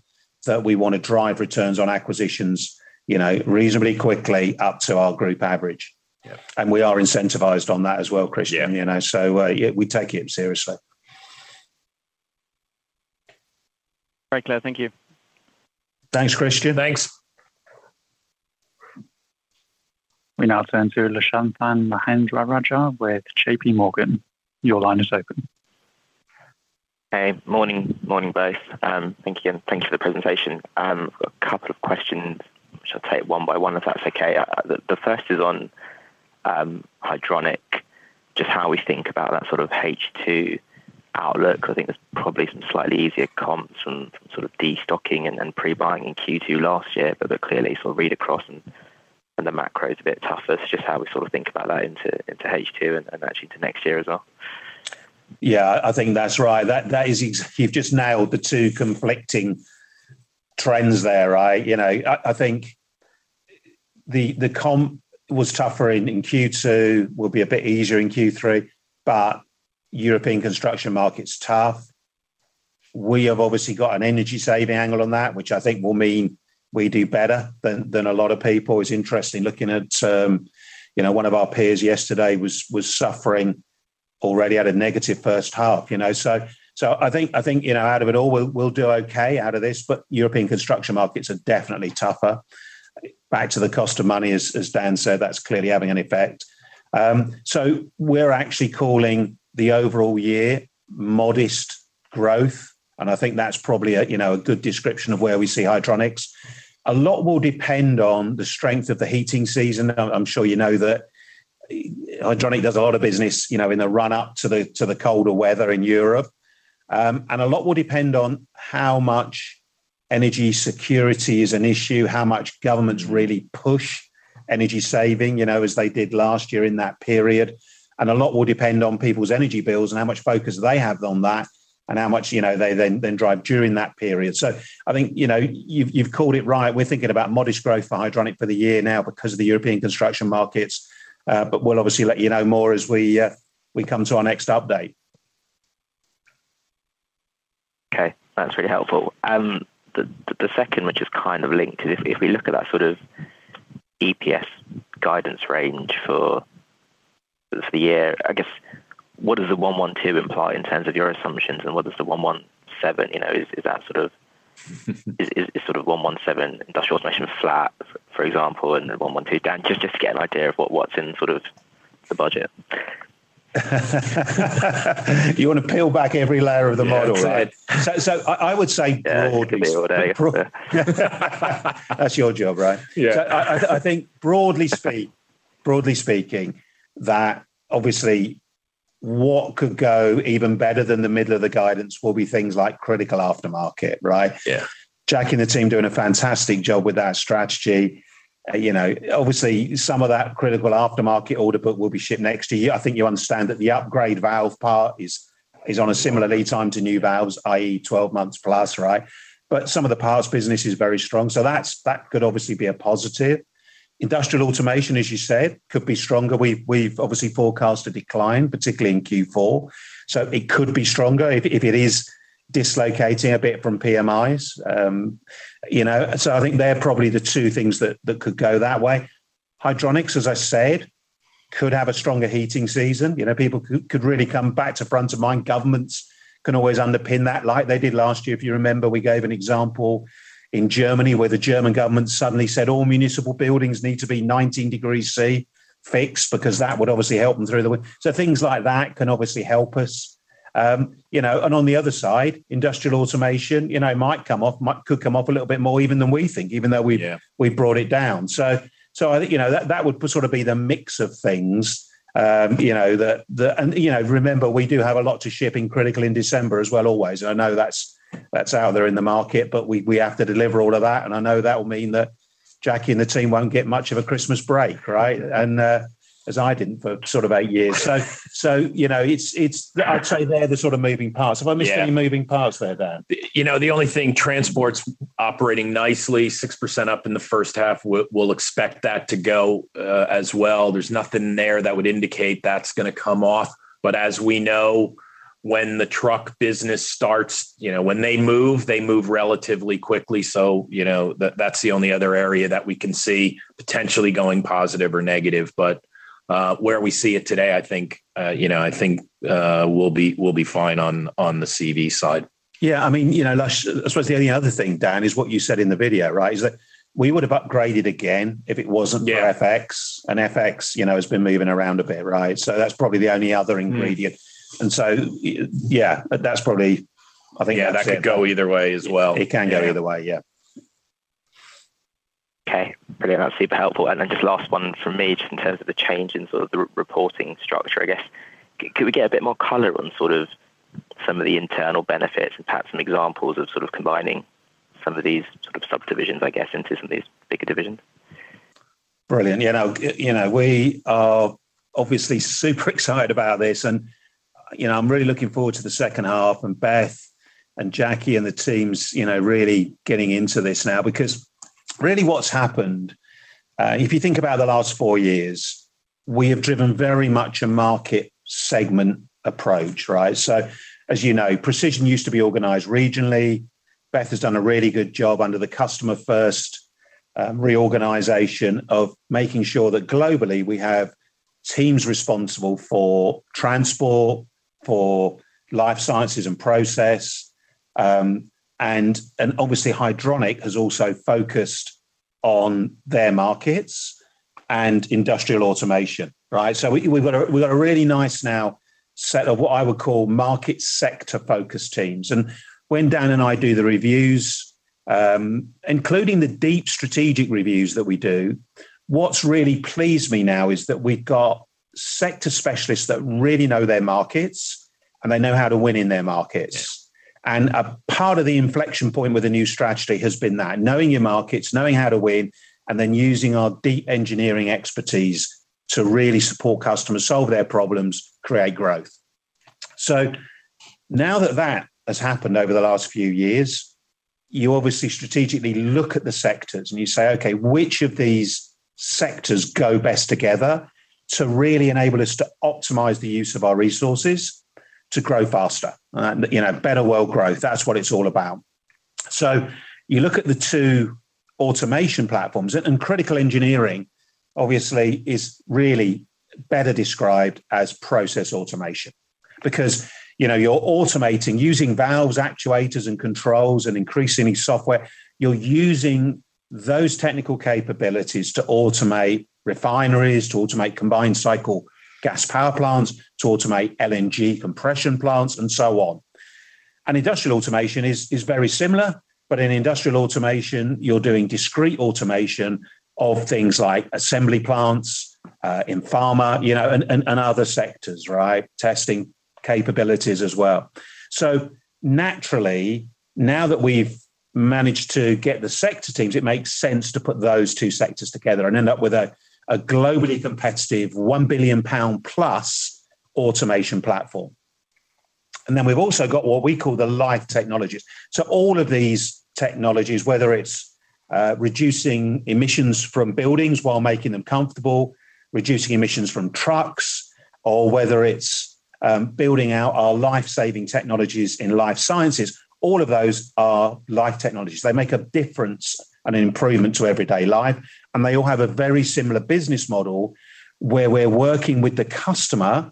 that we wanna drive returns on acquisitions, you know, reasonably quickly up to our group average. Yeah. We are incentivized on that as well, Christian, you know, so, yeah, we take it seriously. Very clear. Thank you. Thanks, Christian. Thanks. We now turn to Lushanthan Mahendrarajah with JP Morgan. Your line is open. Hey, morning. Morning, both. Thank you, and thanks for the presentation. A couple of questions, which I'll take one by one, if that's okay. The first is on Hydronic, just how we think about that sort of H2 outlook. I think there's probably some slightly easier comps and sort of destocking and pre-buying in Q2 last year, but clearly sort of read across and the macro is a bit tougher. Just how we sort of think about that into H2 and actually to next year as well. Yeah, I think that's right. That, that is you've just nailed the two conflicting trends there, right? You know, I, I think the, the comp was tougher in, in Q2, will be a bit easier in Q3, but European construction market's tough. We have obviously got an energy-saving angle on that, which I think will mean we do better than, than a lot of people. It's interesting looking at, you know, one of our peers yesterday was, was suffering already at a negative first half, you know. I think, I think, you know, out of it all, we'll, we'll do okay out of this, but European construction markets are definitely tougher. Back to the cost of money, as, as Dan said, that's clearly having an effect. We're actually calling the overall year modest growth, and I think that's probably, you know, a good description of where we see Hydronics. A lot will depend on the strength of the heating season. I, I'm sure you know that Hydronic does a lot of business, you know, in the run-up to the colder weather in Europe. A lot will depend on how much energy security is an issue, how much governments really push energy saving, you know, as they did last year in that period. A lot will depend on people's energy bills and how much focus they have on that, and how much, you know, they then drive during that period. I think, you know, you've, you've called it right. We're thinking about modest growth for Hydronic for the year now because of the European construction markets, but we'll obviously let you know more as we come to our next update. Okay, that's really helpful. The second, which is kind of linked to this, if we look at that sort of EPS guidance range for, for the year, I guess, what does the 112 imply in terms of your assumptions, and what does the 117, you know, is 117 industrial automation flat, for example, and the 112? Dan, just to get an idea of what's in sort of the budget. You want to peel back every layer of the model, right? Yeah. I would say broadly. Yeah, it could be all day. That's your job, right? Yeah. I think broadly speaking, that obviously what could go even better than the middle of the guidance will be things like critical aftermarket, right? Yeah. Jackie and the team doing a fantastic job with that strategy. You know, obviously, some of that critical aftermarket order book will be shipped next year. I think you understand that the upgrade valve part is on a similar lead time to new valves, i.e., 12 months plus, right? Some of the parts business is very strong, so that's, that could obviously be a positive. Industrial Automation, as you said, could be stronger. We've, we've obviously forecast a decline, particularly in Q4, so it could be stronger if, if it is dislocating a bit from PMIs. You know, I think they're probably the two things that, that could go that way. Hydronics, as I said, could have a stronger heating season. You know, people could, could really come back to front of mind. Governments can always underpin that, like they did last year. If you remember, we gave an example in Germany, where the German government suddenly said, "All municipal buildings need to be 19 degrees Celsius, fixed," because that would obviously help them through the winter. Things like that can obviously help us. You know, on the other side, industrial automation, you know, could come off a little bit more even than we think. Yeah. We brought it down. I think, you know, that would sort of be the mix of things. You know, remember, we do have a lot to ship in, critical in December as well, always. I know that's, that's out there in the market, but we, we have to deliver all of that, and I know that will mean that Jackie and the team won't get much of a Christmas break, right? As I didn't for sort of eight years. You know, it's. Yeah. I'd say they're the sort of moving parts. Yeah. Have I missed any moving parts there, Dan? You know, the only thing, transport's operating nicely, 6% up in the first half. We'll, we'll expect that to go as well. There's nothing there that would indicate that's gonna come off. As we know, when the truck business starts, you know, when they move, they move relatively quickly. You know, that's the only other area that we can see potentially going positive or negative. Where we see it today, I think, you know, I think, we'll be, we'll be fine on, on the CV side. Yeah, I mean, you know, Lush, I suppose the only other thing, Dan, is what you said in the video, right? Is that we would have upgraded again if it wasn't. Yeah For FX. FX, you know, has been moving around a bit, right? That's probably the only other ingredient. Mm. So, yeah, that's probably, I think that's it. Yeah, that could go either way as well. It can go either way, yeah. Okay, brilliant. That's super helpful. Then just last one from me, just in terms of the change in sort of the reporting structure, I guess. Could we get a bit more color on sort of some of the internal benefits and perhaps some examples of sort of combining some of these sort of subdivisions, I guess, into some of these bigger divisions? Brilliant. Yeah, no, you know, we are obviously super excited about this, and you know, I'm really looking forward to the second half, and Beth and Jackie and the teams, you know, really getting into this now. Because really what's happened, if you think about the last four years, we have driven very much a market segment approach, right? As you know, Precision used to be organized regionally. Beth has done a really good job under the Customer First reorganization of making sure that globally we have teams responsible for transport, for life sciences and process, and, and obviously, Hydronic has also focused on their markets and industrial automation, right? We, we've got a, we've got a really nice now set of what I would call market sector focus teams. When Dan and I do the reviews, including the deep strategic reviews that we do, what's really pleased me now is that we've got sector specialists that really know their markets, and they know how to win in their markets. A part of the inflection point with the new strategy has been that, knowing your markets, knowing how to win, and then using our deep engineering expertise to really support customers, solve their problems, create growth. Now that that has happened over the last few years, you obviously strategically look at the sectors and you say: Okay, which of these sectors go best together to really enable us to optimize the use of our resources to grow faster? you know, better world growth, that's what it's all about. You look at the two Automation platforms, Critical Engineering, obviously, is really better described as process automation. You know, you're automating using valves, actuators, and controls, and increasingly software. You're using those technical capabilities to automate refineries, to automate combined cycle gas power plants, to automate LNG compression plants, and so on. Industrial Automation is very similar, but in Industrial Automation, you're doing discrete automation of things like assembly plants in pharma, you know, and other sectors, right? Testing capabilities as well. Naturally, now that we've managed to get the sector teams, it makes sense to put those two sectors together and end up with a globally competitive 1 billion pound plus Automation platform. Then we've also got what we call the Life Technologies. All of these technologies, whether it's reducing emissions from buildings while making them comfortable, reducing emissions from trucks, or whether it's building out our life-saving technologies in life sciences, all of those are life technologies. They make a difference and an improvement to everyday life, they all have a very similar business model, where we're working with the customer,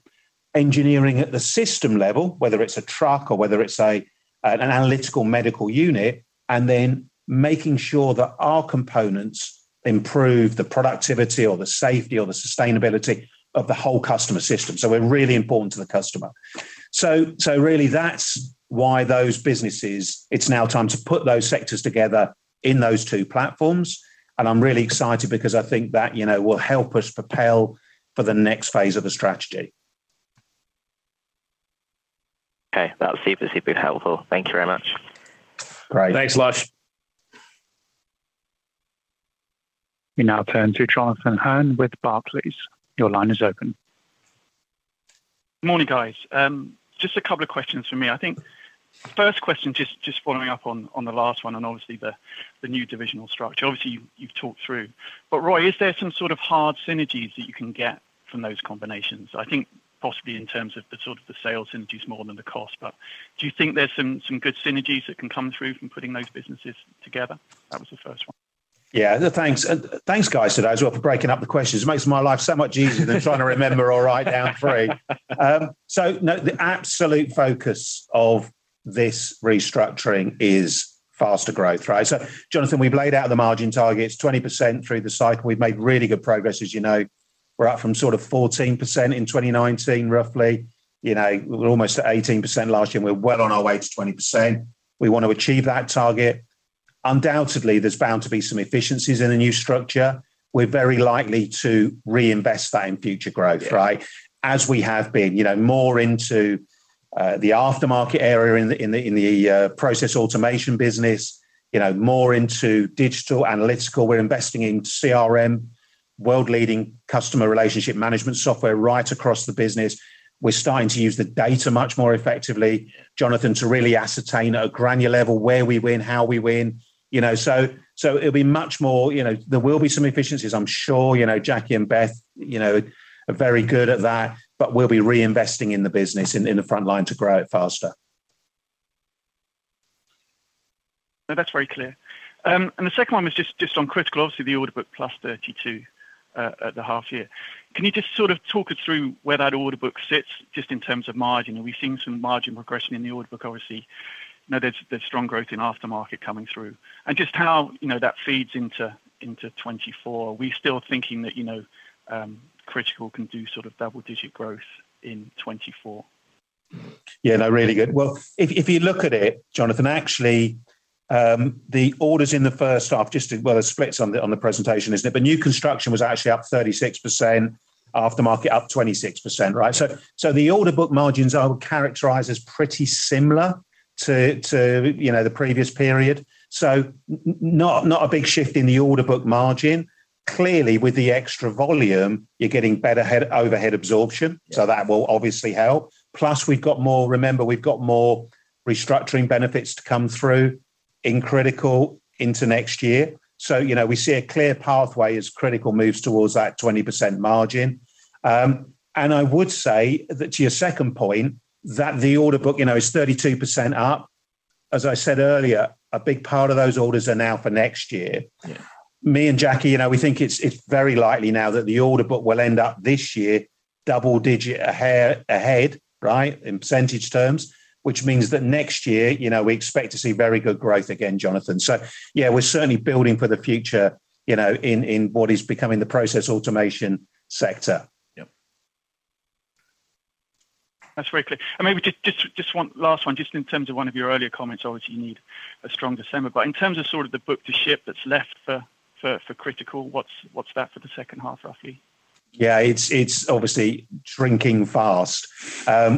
engineering at the system level, whether it's a truck or whether it's an analytical medical unit, and then making sure that our components improve the productivity or the safety or the sustainability of the whole customer system. We're really important to the customer. Really, that's why those businesses, it's now time to put those sectors together in those two platforms. I'm really excited because I think that, you know, will help us propel for the next phase of the strategy. Okay, that's super, super helpful. Thank you very much. Great. Thanks, Lush. We now turn to Jonathan Hearn with Barclays. Your line is open. Morning, guys. Just a couple of questions from me. I think first question, just following up on the last one, and obviously the new divisional structure. Obviously, you've talked through, but Roy, is there some sort of hard synergies that you can get from those combinations? I think possibly in terms of the sort of the sales synergies more than the cost, but do you think there's some good synergies that can come through from putting those businesses together? That was the first one. Yeah. No, thanks. Thanks, guys, today as well for breaking up the questions. It makes my life so much easier than trying to remember all write down 3. No, the absolute focus of this restructuring is faster growth, right? Jonathan, we've laid out the margin targets, 20% through the cycle. We've made really good progress. As you know, we're up from sort of 14% in 2019, roughly. You know, we're almost at 18% last year, and we're well on our way to 20%. We want to achieve that target. Undoubtedly, there's bound to be some efficiencies in the new structure. We're very likely to reinvest that in future growth, right? Yeah. As we have been, you know, more into the aftermarket area in the, in the, in the process automation business, you know, more into digital, analytical. We're investing in CRM, world-leading customer relationship management software right across the business. We're starting to use the data much more effectively, Jonathan, to really ascertain at a granular level where we win, how we win. You know, it'll be much more. You know, there will be some efficiencies, I'm sure. You know, Jackie and Beth, you know, are very good at that, but we'll be reinvesting in the business, in the frontline to grow it faster. No, that's very clear. And the second one was just, just on Critical. Obviously, the order book plus 32 at the half year. Can you just sort of talk us through where that order book sits, just in terms of margin? Are we seeing some margin progression in the order book? Obviously, there's, there's strong growth in aftermarket coming through, and just how that feeds into, into 2024. Are we still thinking that Critical can do sort of double-digit growth in 2024? Yeah, no, really good. Well, if, if you look at it, Jonathan, actually, the orders in the first half, just as well, it splits on the, on the presentation, isn't it? New construction was actually up 36%, aftermarket up 26%, right? The order book margins I would characterize as pretty similar to, to, you know, the previous period. Not, not a big shift in the order book margin. Clearly, with the extra volume, you're getting better head, overhead absorption. Yeah So that will obviously help. Plus, we've got more, remember, we've got more restructuring benefits to come through in Critical into next year. You know, we see a clear pathway as Critical moves towards that 20% margin. I would say that to your second point, that the order book, you know, is 32% up. As I said earlier, a big part of those orders are now for next year. Yeah. Me and Jackie, you know, we think it's, it's very likely now that the order book will end up this year double-digit ahead, ahead, right, in % terms, which means that next year, you know, we expect to see very good growth again, Jonathan. Yeah, we're certainly building for the future, you know, in, in what is becoming the process automation sector. Yep. That's very clear. Maybe just, just, just one last one. Just in terms of one of your earlier comments, obviously, you need a strong December, but in terms of sort of the book to ship that's left for, for, for Critical, what's, what's that for the second half, roughly? Yeah, it's, it's obviously shrinking fast.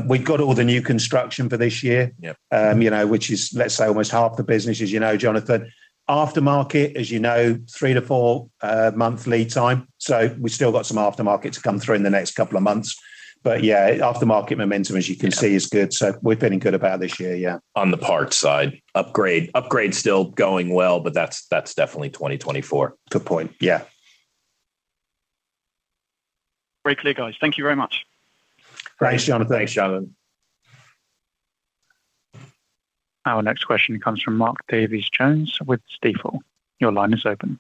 We've got all the new construction for this year. Yep. You know, which is, let's say, almost half the business, as you know, Jonathan. Aftermarket, as you know, 3-4 month lead time, so we've still got some aftermarket to come through in the next couple of months. Yeah, aftermarket momentum, as you can see. Yeah. Is good, so we're feeling good about this year, yeah. On the parts side, upgrade, upgrade still going well, that's, that's definitely 2024. Good point. Yeah. Very clear, guys. Thank you very much. Great, Jonathan. Thanks, Jonathan. Our next question comes from Mark Davies Jones with Stifel. Your line is open.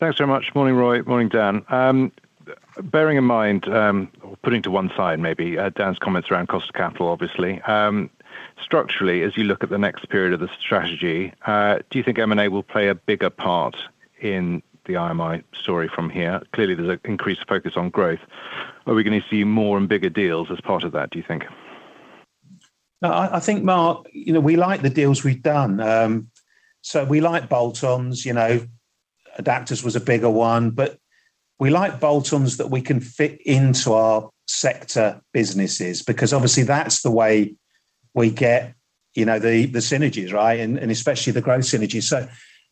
Thanks very much. Morning, Roy. Morning, Dan. Bearing in mind, or putting to one side maybe, Dan's comments around cost of capital, obviously. Structurally, as you look at the next period of the strategy, do you think M&A will play a bigger part in the IMI story from here? Clearly, there's an increased focus on growth, but are we going to see more and bigger deals as part of that, do you think? I, I think, Mark, you know, we like the deals we've done. We like bolt-ons, you know, Adaptas was a bigger one, but we like bolt-ons that we can fit into our sector businesses, because obviously, that's the way we get, you know, the, the synergies, right? Especially the growth synergies.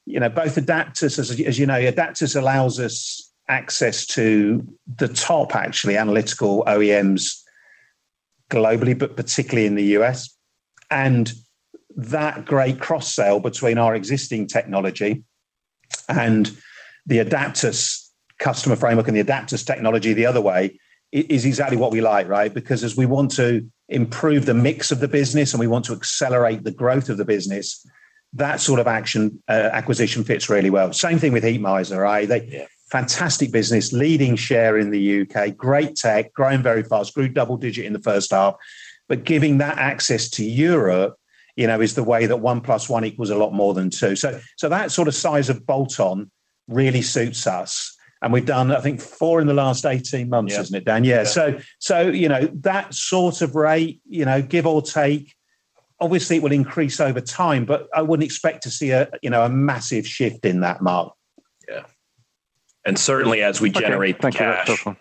You know, both Adaptas, as, as you know, Adaptas allows us access to the top, actually, analytical OEMs globally, but particularly in the US. That great cross-sell between our existing technology and the Adaptas customer framework and the Adaptas technology the other way is exactly what we like, right? Because as we want to improve the mix of the business, and we want to accelerate the growth of the business, that sort of action, acquisition fits really well. Same thing with Heatmiser, right? Yeah. Fantastic business, leading share in the UK, great tech, growing very fast, grew double digit in the first half. Giving that access to Europe, you know, is the way that one plus one equals a lot more than two. That sort of size of bolt-on really suits us, and we've done, I think, four in the last 18 months. Yeah. Isn't it, Dan? Yeah. Yeah. You know, that sort of rate, you know, give or take, obviously it will increase over time, but I wouldn't expect to see you know, a massive shift in that, Mark. Yeah. certainly, as we generate the cash. Okay, thank you. Perfect one.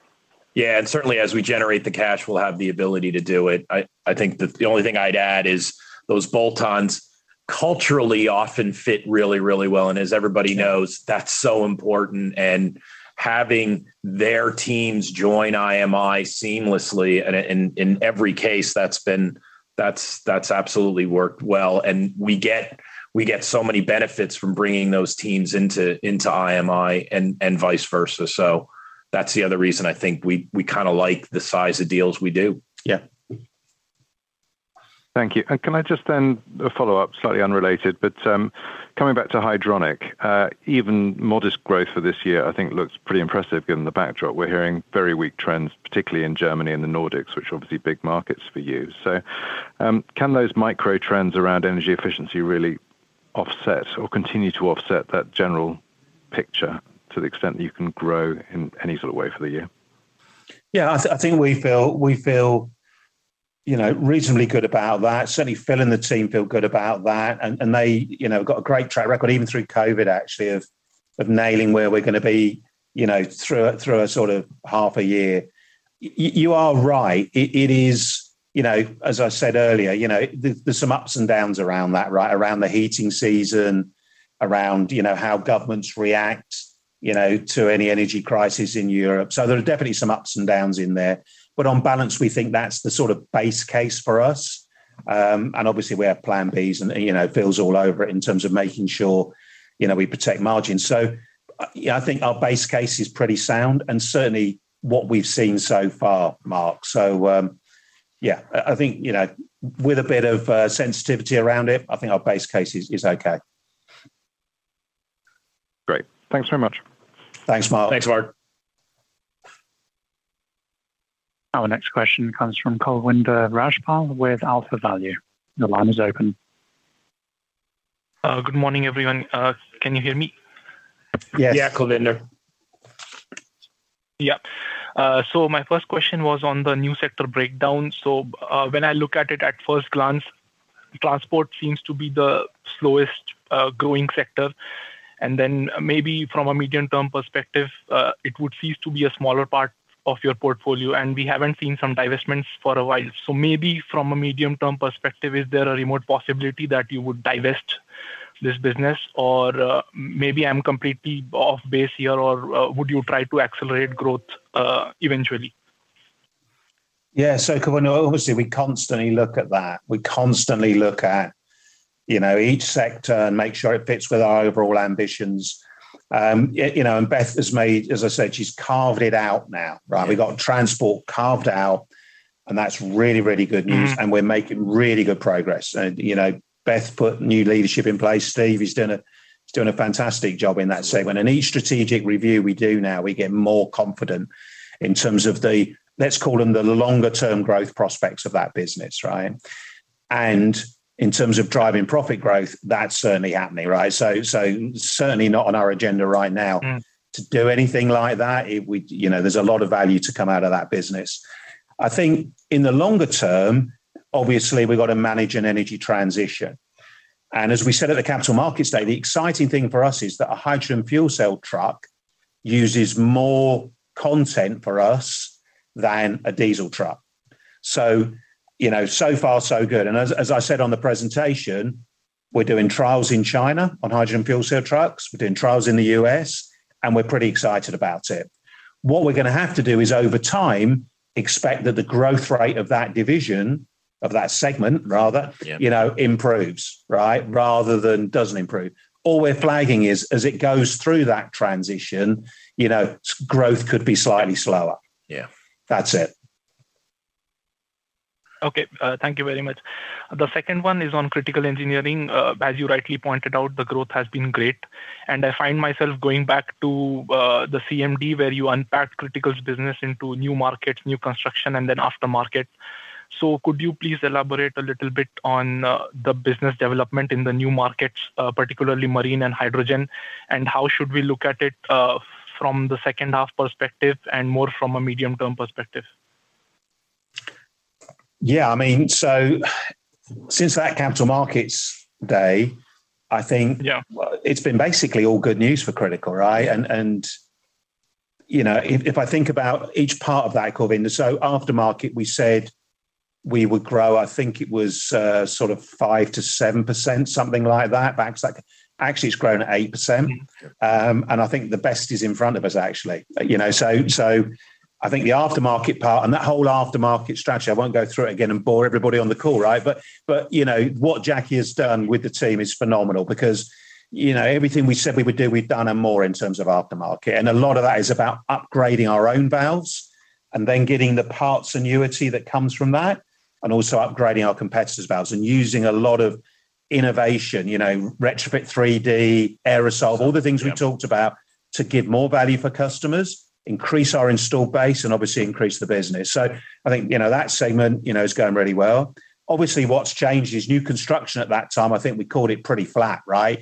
Yeah, certainly as we generate the cash, we'll have the ability to do it. I, I think the, the only thing I'd add is those bolt-ons culturally often fit really, really well, and as everybody knows, that's so important. Having their teams join IMI seamlessly, and in, in every case, that's been, that's, that's absolutely worked well. We get, we get so many benefits from bringing those teams into, into IMI and, and vice versa. That's the other reason I think we, we kind of like the size of deals we do. Yeah. Thank you. Can I just then a follow-up, slightly unrelated, but coming back to Hydronic, even modest growth for this year, I think looks pretty impressive given the backdrop. We're hearing very weak trends, particularly in Germany and the Nordics, which are obviously big markets for you. Can those micro trends around energy efficiency really offset or continue to offset that general picture to the extent that you can grow in any sort of way for the year? Yeah, I, I think we feel, we feel, you know, reasonably good about that. Certainly, Phil and the team feel good about that, and, and they, you know, have got a great track record, even through COVID, actually, of, of nailing where we're gonna be, you know, through a, through a sort of half a year. Y- y- you are right. It, it is, you know, as I said earlier, you know, there's, there's some ups and downs around that, right? Around the heating season, around, you know, how governments react, you know, to any energy crisis in Europe. There are definitely some ups and downs in there. On balance, we think that's the sort of base case for us. Obviously, we have Plan Bs, and, you know, Phil's all over it in terms of making sure, you know, we protect margins. Yeah, I think our base case is pretty sound, and certainly what we've seen so far, Mark. I, I think, you know, with a bit of sensitivity around it, I think our base case is, is okay. Great. Thanks very much. Thanks, Mark. Thanks, Mark. Our next question comes from Kulwinder Rajpal with AlphaValue. Your line is open. Good morning, everyone. Can you hear me? Yes. Yeah, Kulwinder. Yeah. My first question was on the new sector breakdown. When I look at it at first glance, transport seems to be the slowest growing sector, maybe from a medium-term perspective, it would cease to be a smaller part of your portfolio, we haven't seen some divestments for a while. Maybe from a medium-term perspective, is there a remote possibility that you would divest this business? Maybe I'm completely off base here, or would you try to accelerate growth eventually? Kulwinder, obviously, we constantly look at that. We constantly look at, you know, each sector and make sure it fits with our overall ambitions. You know, and Beth has made. As I said, she's carved it out now, right? We've got transport carved out, and that's really, really good news, and we're making really good progress. You know, Beth put new leadership in place. Steve, he's doing a fantastic job in that segment. In each strategic review we do now, we get more confident in terms of the, let's call them, the longer-term growth prospects of that business, right? In terms of driving profit growth, that's certainly happening, right? Certainly not on our agenda right now. Mm. To do anything like that. You know, there's a lot of value to come out of that business. I think in the longer term, obviously, we've got to manage an energy transition. As we said at the Capital Markets Day, the exciting thing for us is that a hydrogen fuel cell truck uses more content for us than a diesel truck. You know, so far, so good. As I said on the presentation, we're doing trials in China on hydrogen fuel cell trucks. We're doing trials in the US, and we're pretty excited about it. What we're gonna have to do is, over time, expect that the growth rate of that division, of that segment rather. Yeah. You know, improves, right? Rather than doesn't improve. All we're flagging is, as it goes through that transition, you know, growth could be slightly slower. Yeah. That's it. Okay, thank you very much. The second one is on Critical Engineering. As you rightly pointed out, the growth has been great, and I find myself going back to the CMD, where you unpacked Critical's business into new markets, new construction, and then aftermarket. Could you please elaborate a little bit on the business development in the new markets, particularly marine and hydrogen, and how should we look at it from the second half perspective and more from a medium-term perspective? Yeah, I mean, since that Capital Markets Day, I think. Yeah. It's been basically all good news for Critical, right? You know, if, if I think about each part of that, Kulwinder, so aftermarket, we said we would grow. I think it was, sort of 5%-7%, something like that. Actually, it's grown 8%. I think the best is in front of us, actually. You know, I think the aftermarket part and that whole aftermarket strategy, I won't go through it again and bore everybody on the call, right? You know, what Jackie has done with the team is phenomenal because, you know, everything we said we would do, we've done and more in terms of aftermarket. A lot of that is about upgrading our own valves and then getting the parts annuity that comes from that, and also upgrading our competitors' valves and using a lot of innovation, Retrofit3D, EroSolve, all the things. Yeah. We talked about, to give more value for customers, increase our installed base, and obviously increase the business. I think, you know, that segment, you know, is going really well. Obviously, what's changed is new construction at that time, I think we called it pretty flat, right?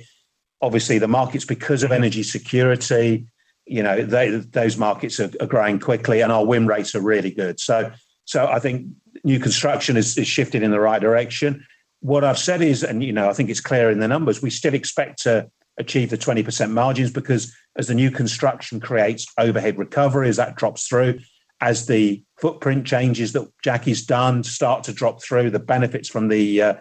Obviously, the markets, because of energy security, you know, they, those markets are, are growing quickly, and our win rates are really good. So I think new construction is, is shifting in the right direction. What I've said is, and, you know, I think it's clear in the numbers, we still expect to achieve the 20% margins because as the new construction creates overhead recovery, as that drops through, as the footprint changes that Jackie Hu's done start to drop through, the benefits from the,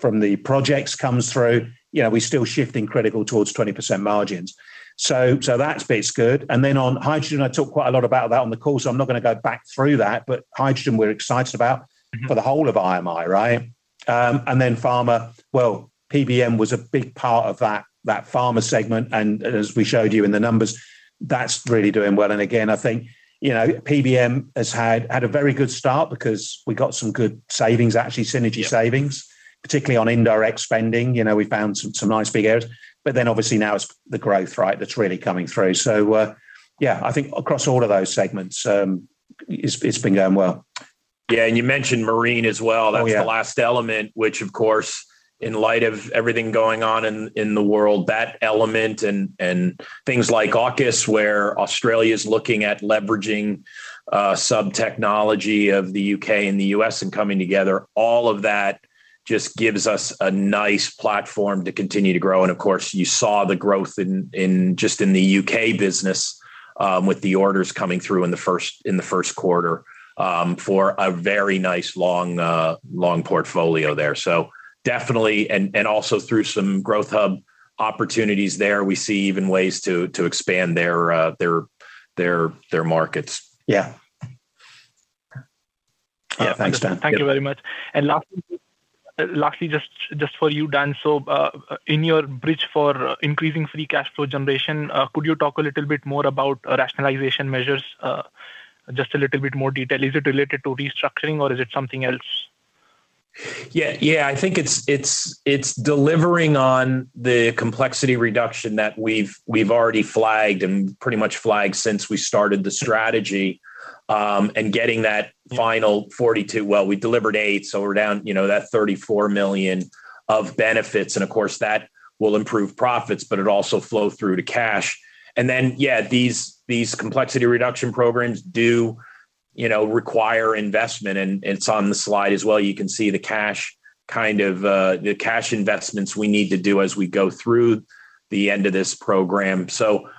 from the projects comes through, you know, we're still shifting Critical towards 20% margins. So, so that space good. Then on hydrogen, I talked quite a lot about that on the call, so I'm not gonna go back through that, but hydrogen, we're excited about. Mm-hmm. For the whole of IMI, right? Then pharma, well, PBM was a big part of that, that pharma segment, and as we showed you in the numbers, that's really doing well. Again, I think, you know, PBM has had, had a very good start because we got some good savings, actually synergy savings. Yeah. Particularly on indirect spending. You know, we found some, some nice big areas, but then obviously now it's the growth, right, that's really coming through. Yeah, I think across all of those segments, it's, it's been going well. Yeah, you mentioned marine as well. Oh, yeah. That's the last element, which of course, in light of everything going on in, in the world, that element and, and things like AUKUS, where Australia's looking at leveraging, sub-technology of the UK and the US and coming together, all of that just gives us a nice platform to continue to grow. Of course, you saw the growth in, in just in the UK business, with the orders coming through in the first, in the Q1, for a very nice, long, long portfolio there. Definitely, and, and also through some Growth Hub opportunities there, we see even ways to, to expand their, their, their, their markets. Yeah. Yeah, thanks, Dan. Thank you very much. Lastly, just for you, Dan, so, in your bridge for increasing free cash flow generation, could you talk a little bit more about rationalization measures? Just a little bit more detail. Is it related to restructuring or is it something else? Yeah, yeah, I think it's, it's, it's delivering on the Complexity Reduction that we've, we've already flagged and pretty much flagged since we started the strategy, getting that final 42. Well, we delivered eight, so we're down, you know, that 34 million of benefits, of course, that will improve profits, but it also flow through to cash. Yeah, these, these Complexity Reduction programs do, you know, require investment, it's on the slide as well. You can see the cash, kind of, the cash investments we need to do as we go through the end of this program.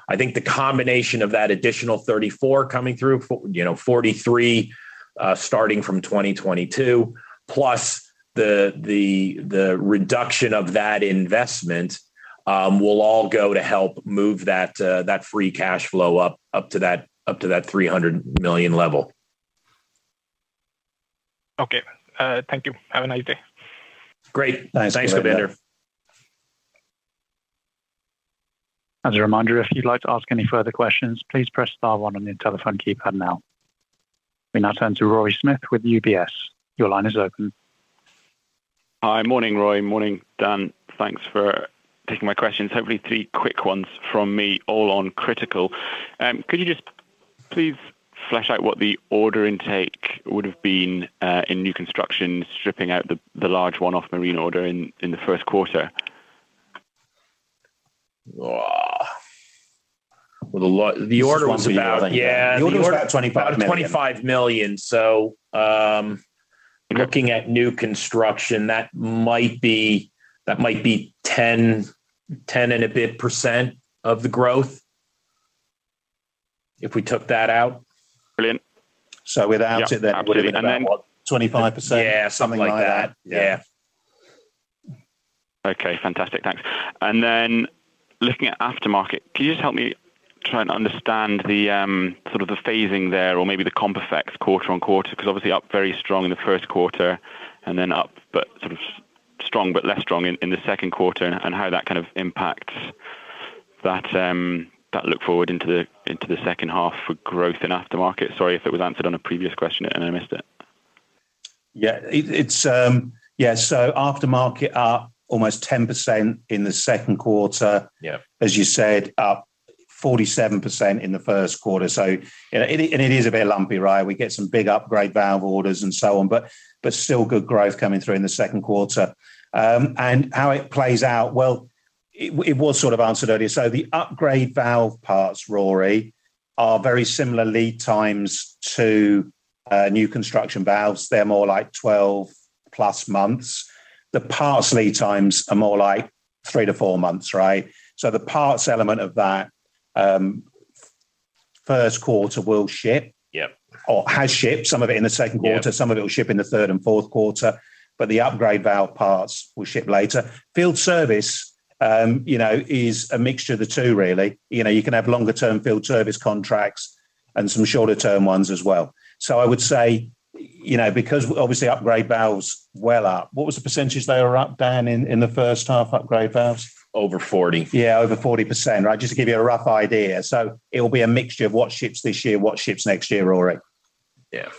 I think the combination of that additional 34 coming through, you know, 43 starting from 2022, plus the reduction of that investment will all go to help move that free cash flow up to that 300 million level. Okay. Thank you. Have a nice day. Great. Thanks. Thanks, Operator. As a reminder, if you'd like to ask any further questions, please press star one on the telephone keypad now. We now turn to Rory Smith with UBS. Your line is open. Hi. Morning, Roy. Morning, Dan. Thanks for taking my questions. Hopefully, three quick ones from me, all on critical. Could you just please flesh out what the order intake would have been in new construction, stripping out the, the large one-off marine order in, in the Q1? Ah, well. The order was. Yeah. The order was about 25 million. About 25 million. Looking at new construction, that might be, that might be 10, 10 and a bit % of the growth if we took that out. Brilliant. Without. Yeah, absolutely. What, 25%? Yeah, something like that. Yeah. Yeah. Okay, fantastic. Thanks. Looking at aftermarket, can you just help me try and understand the sort of the phasing there or maybe the comp effects quarter-on-quarter? Obviously up very strong in the Q1 and then up, but sort of strong, but less strong in the Q2, and how that kind of impacts that that look forward into the second half for growth in aftermarket. Sorry if it was answered on a previous question and I missed it. Yeah, it, it's, yeah, so aftermarket up almost 10% in the Q2. Yeah. As you said, up 47% in the Q1. You know, and it, and it is a bit lumpy, right? We get some big upgrade valve orders and so on, but, but still good growth coming through in the Q2. How it plays out, well, it, it was sort of answered earlier. The upgrade valve parts, Rory, are very similar lead times to new construction valves. They're more like 12+ months. The parts lead times are more like 3-4 months, right? The parts element of that, Q1 will ship. Yep. Or has shipped, some of it in the Q2. Yeah. Some of it will ship in the third and Q4, but the upgrade valve parts will ship later. Field service, you know, is a mixture of the two, really. You know, you can have longer-term field service contracts and some shorter-term ones as well. I would say, you know, because obviously upgrade valves well up, what was the % they were up, Dan, in the first half, upgrade valves? Over 40. Yeah, over 40%, right? Just to give you a rough idea. It'll be a mixture of what ships this year, what ships next year, Rory. Yeah.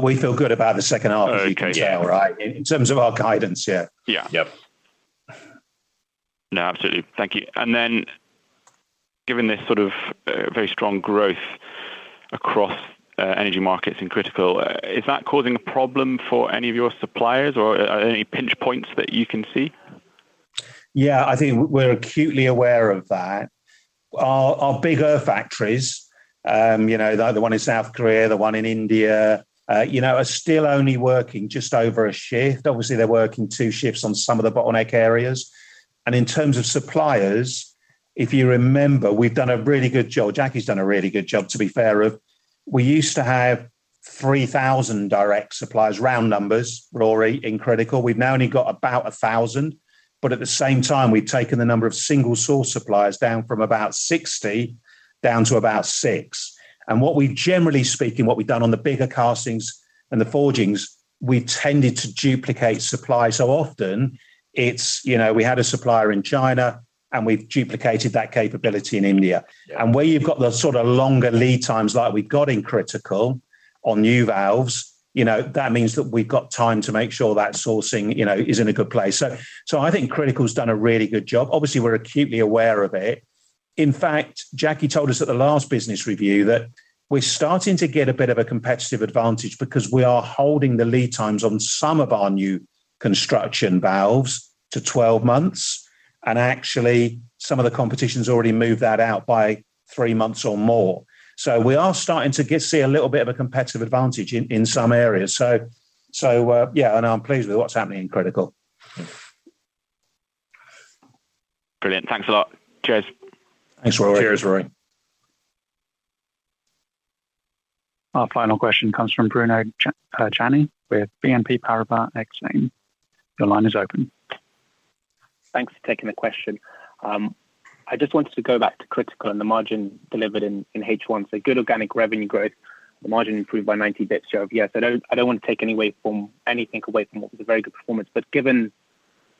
We feel good about the second half. Okay, yeah. As you can tell, right? In terms of our guidance, yeah. Yeah. Yep. No, absolutely. Thank you. Given this sort of, very strong growth across, energy markets in Critical, is that causing a problem for any of your suppliers or are there any pinch points that you can see? Yeah, I think we're acutely aware of that. Our, our bigger factories, you know, the other one in South Korea, the one in India, you know, are still only working just over a shift. Obviously, they're working two shifts on some of the bottleneck areas. In terms of suppliers, if you remember, we've done a really good job. Jackie's done a really good job, to be fair of. We used to have 3,000 direct suppliers, round numbers, Rory, in Critical. We've now only got about 1,000, but at the same time, we've taken the number of single-source suppliers down from about 60 down to about six. What we've, generally speaking, what we've done on the bigger castings and the forgings, we've tended to duplicate supply. Often it's, you know, we had a supplier in China, and we've duplicated that capability in India. Yeah. Where you've got the sort of longer lead times like we've got in Critical on new valves, you know, that means that we've got time to make sure that sourcing, you know, is in a good place. I think Critical's done a really good job. Obviously, we're acutely aware of it. In fact, Jackie told us at the last business review that we're starting to get a bit of a competitive advantage because we are holding the lead times on some of our new construction valves to 12 months, and actually, some of the competition's already moved that out by three months or more. We are starting to get, see a little bit of a competitive advantage in, in some areas. I'm pleased with what's happening in Critical. Brilliant. Thanks a lot. Cheers. Thanks, Rory. Cheers, Rory. Our final question comes from Bruno Gjani, with BNP Paribas Exane. Your line is open. Thanks for taking the question. I just wanted to go back to Critical and the margin delivered in H1. Good organic revenue growth, the margin improved by 90 basis points. I don't want to take anything away from what was a very good performance, but given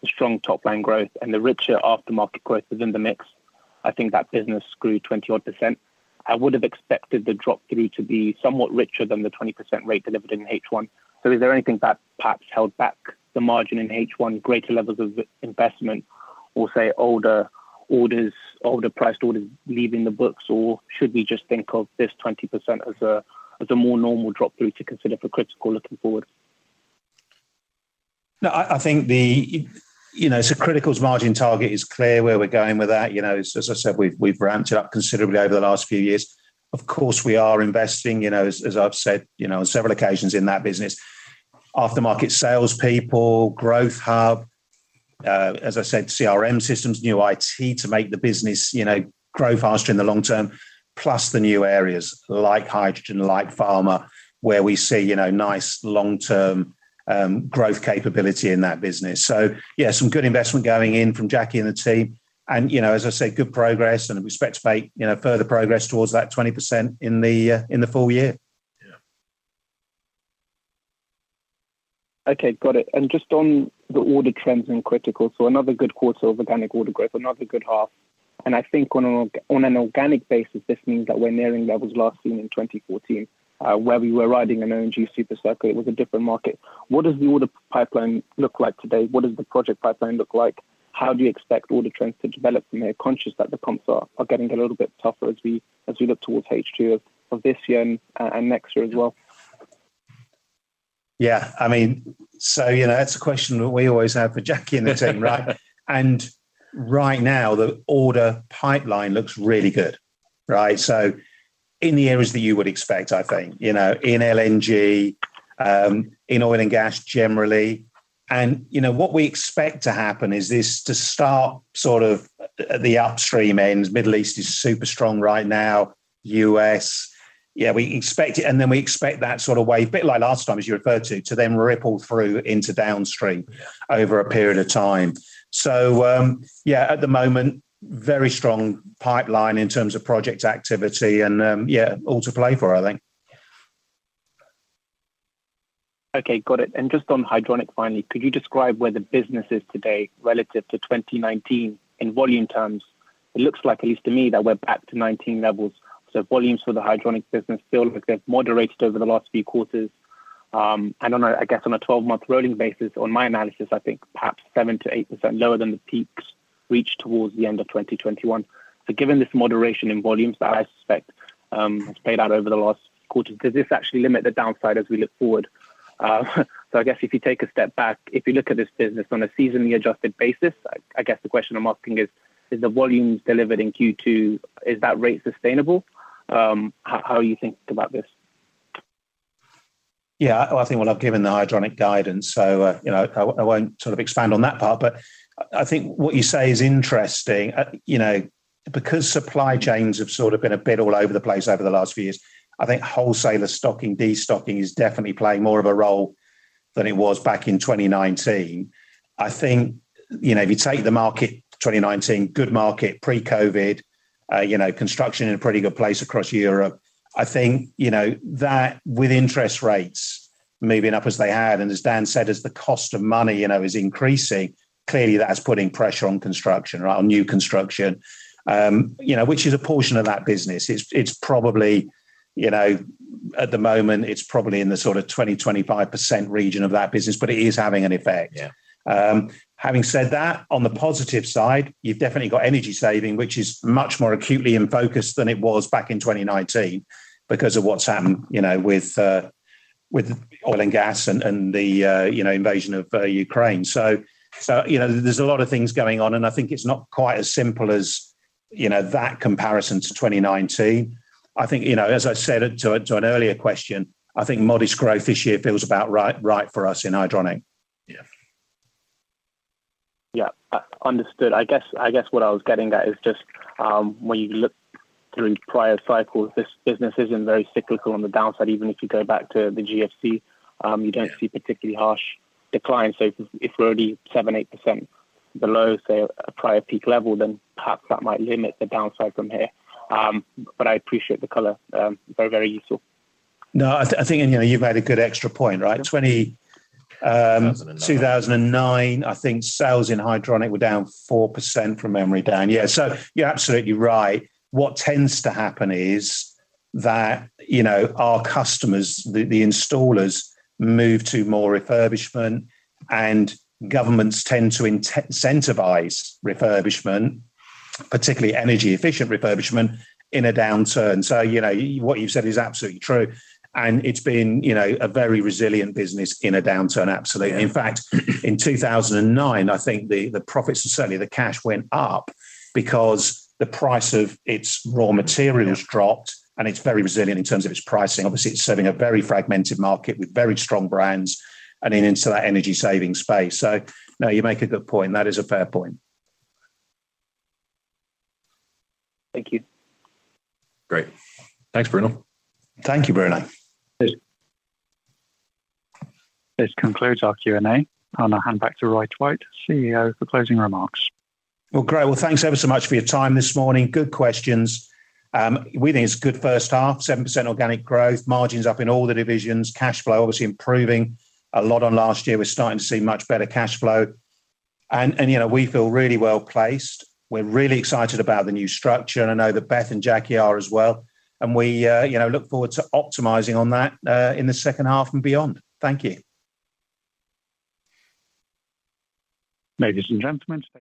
the strong top line growth and the richer aftermarket growth within the mix, I think that business grew 20 odd %. I would have expected the drop through to be somewhat richer than the 20% rate delivered in H1. Is there anything that perhaps held back the margin in H1, greater levels of investment or say, older orders, older priced orders leaving the books? Should we just think of this 20% as a more normal drop-through to consider for Critical looking forward? No, I think the, you know, Critical's margin target is clear where we're going with that. As I said, we've, we've ramped it up considerably over the last few years. Of course, we are investing, you know, as I've said, you know, on several occasions in that business. Aftermarket salespeople, Growth Hub, as I said, CRM systems, new IT to make the business, you know, grow faster in the long term, plus the new areas like hydrogen, like pharma, where we see, you know, nice long-term growth capability in that business. Yeah, some good investment going in from Jackie and the team, and, you know, as I said, good progress and we expect to make, you know, further progress towards that 20% in the full year. Yeah. Okay, got it. Just on the order trends in Critical, another good quarter of organic order growth, another good half. I think on an organic basis, this means that we're nearing levels last seen in 2014, where we were riding an LNG super cycle. It was a different market. What does the order pipeline look like today? What does the project pipeline look like? How do you expect order trends to develop from here, conscious that the comps are getting a little bit tougher as we look towards H2 of this year and next year as well? Yeah, I mean, you know, that's a question that we always have for Jackie and the team, right? Right now, the order pipeline looks really good, right? In the areas that you would expect, I think, you know, in LNG, in oil and gas generally, and, you know, what we expect to happen is this to start sort of at the upstream ends. Middle East is super strong right now. US, yeah, we expect it, and then we expect that sort of wave, a bit like last time, as you referred to, to then ripple through into downstream over a period of time. Yeah, at the moment, very strong pipeline in terms of project activity and, yeah, all to play for, I think. Okay, got it. Just on Hydronic finally, could you describe where the business is today relative to 2019 in volume terms? It looks like, at least to me, that we're back to 2019 levels. Volumes for the Hydronic business still look like they've moderated over the last few quarters. I guess on a 12-month rolling basis, on my analysis, I think perhaps 7%-8% lower than the peaks reached towards the end of 2021. Given this moderation in volumes that I suspect has played out over the last quarter, does this actually limit the downside as we look forward? I guess if you take a step back, if you look at this business on a seasonally adjusted basis, I, I guess the question I'm asking is, is the volumes delivered in Q2, is that rate sustainable? How, how are you thinking about this? Yeah, I think, well, I've given the Hydronic guidance, so, you know, I, I won't sort of expand on that part, but I, I think what you say is interesting. You know, because supply chains have sort of been a bit all over the place over the last few years, I think wholesaler stocking, destocking is definitely playing more of a role than it was back in 2019. I think, you know, if you take the market, 2019, good market, pre-COVID, you know, construction in a pretty good place across Europe. I think, you know, that with interest rates moving up as they have and as Dan said, as the cost of money, you know, is increasing, clearly, that's putting pressure on construction, right? On new construction. You know, which is a portion of that business. It's, it's probably, you know, at the moment, it's probably in the sort of 20-25% region of that business, but it is having an effect. Yeah. Having said that, on the positive side, you've definitely got energy saving, which is much more acutely in focus than it was back in 2019 because of what's happened, you know, with oil and gas and, and the, you know, invasion of Ukraine. You know, there's a lot of things going on, and I think it's not quite as simple as, you know, that comparison to 2019. I think, you know, as I said it to, to an earlier question, I think modest growth this year feels about right, right for us in Hydronic. Yeah. Yeah, understood. I guess, I guess what I was getting at is just, when you look through prior cycles, this business isn't very cyclical on the downside. Even if you go back to the GFC, you don't see particularly harsh declines. If, if we're only 7, 8% below, say, a prior peak level, then perhaps that might limit the downside from here. I appreciate the color. Very, very useful. No, I, I think, you know, you've made a good extra point, right? Yep. 20. 2009. 2009, I think sales in Hydronic were down 4% from memory, Dan. Yeah, you're absolutely right. What tends to happen is that, you know, our customers, the, the installers, move to more refurbishment, and governments tend to incentivize refurbishment, particularly energy efficient refurbishment, in a downturn. You know, what you've said is absolutely true, and it's been, you know, a very resilient business in a downturn, absolutely. Yeah. In fact, in 2009, I think the profits and certainly the cash went up because the price of its raw materials. Yeah. Dropped, and it's very resilient in terms of its pricing. Obviously, it's serving a very fragmented market with very strong brands and into that energy saving space. No, you make a good point. That is a fair point. Thank you. Great. Thanks, Bruno. Thank you, Bruno. Cheers. This concludes our Q&A. I'm gonna hand back to Roy Twite, CEO, for closing remarks. Well, great. Well, thanks ever so much for your time this morning. Good questions. We think it's a good first half, 7% organic growth, margins up in all the divisions, cash flow obviously improving a lot on last year. We're starting to see much better cash flow and, and, you know, we feel really well-placed. We're really excited about the new structure, and I know that Beth and Jackie are as well, and we, you know, look forward to optimizing on that, in the second half and beyond. Thank you. Ladies and gentlemen, thank you.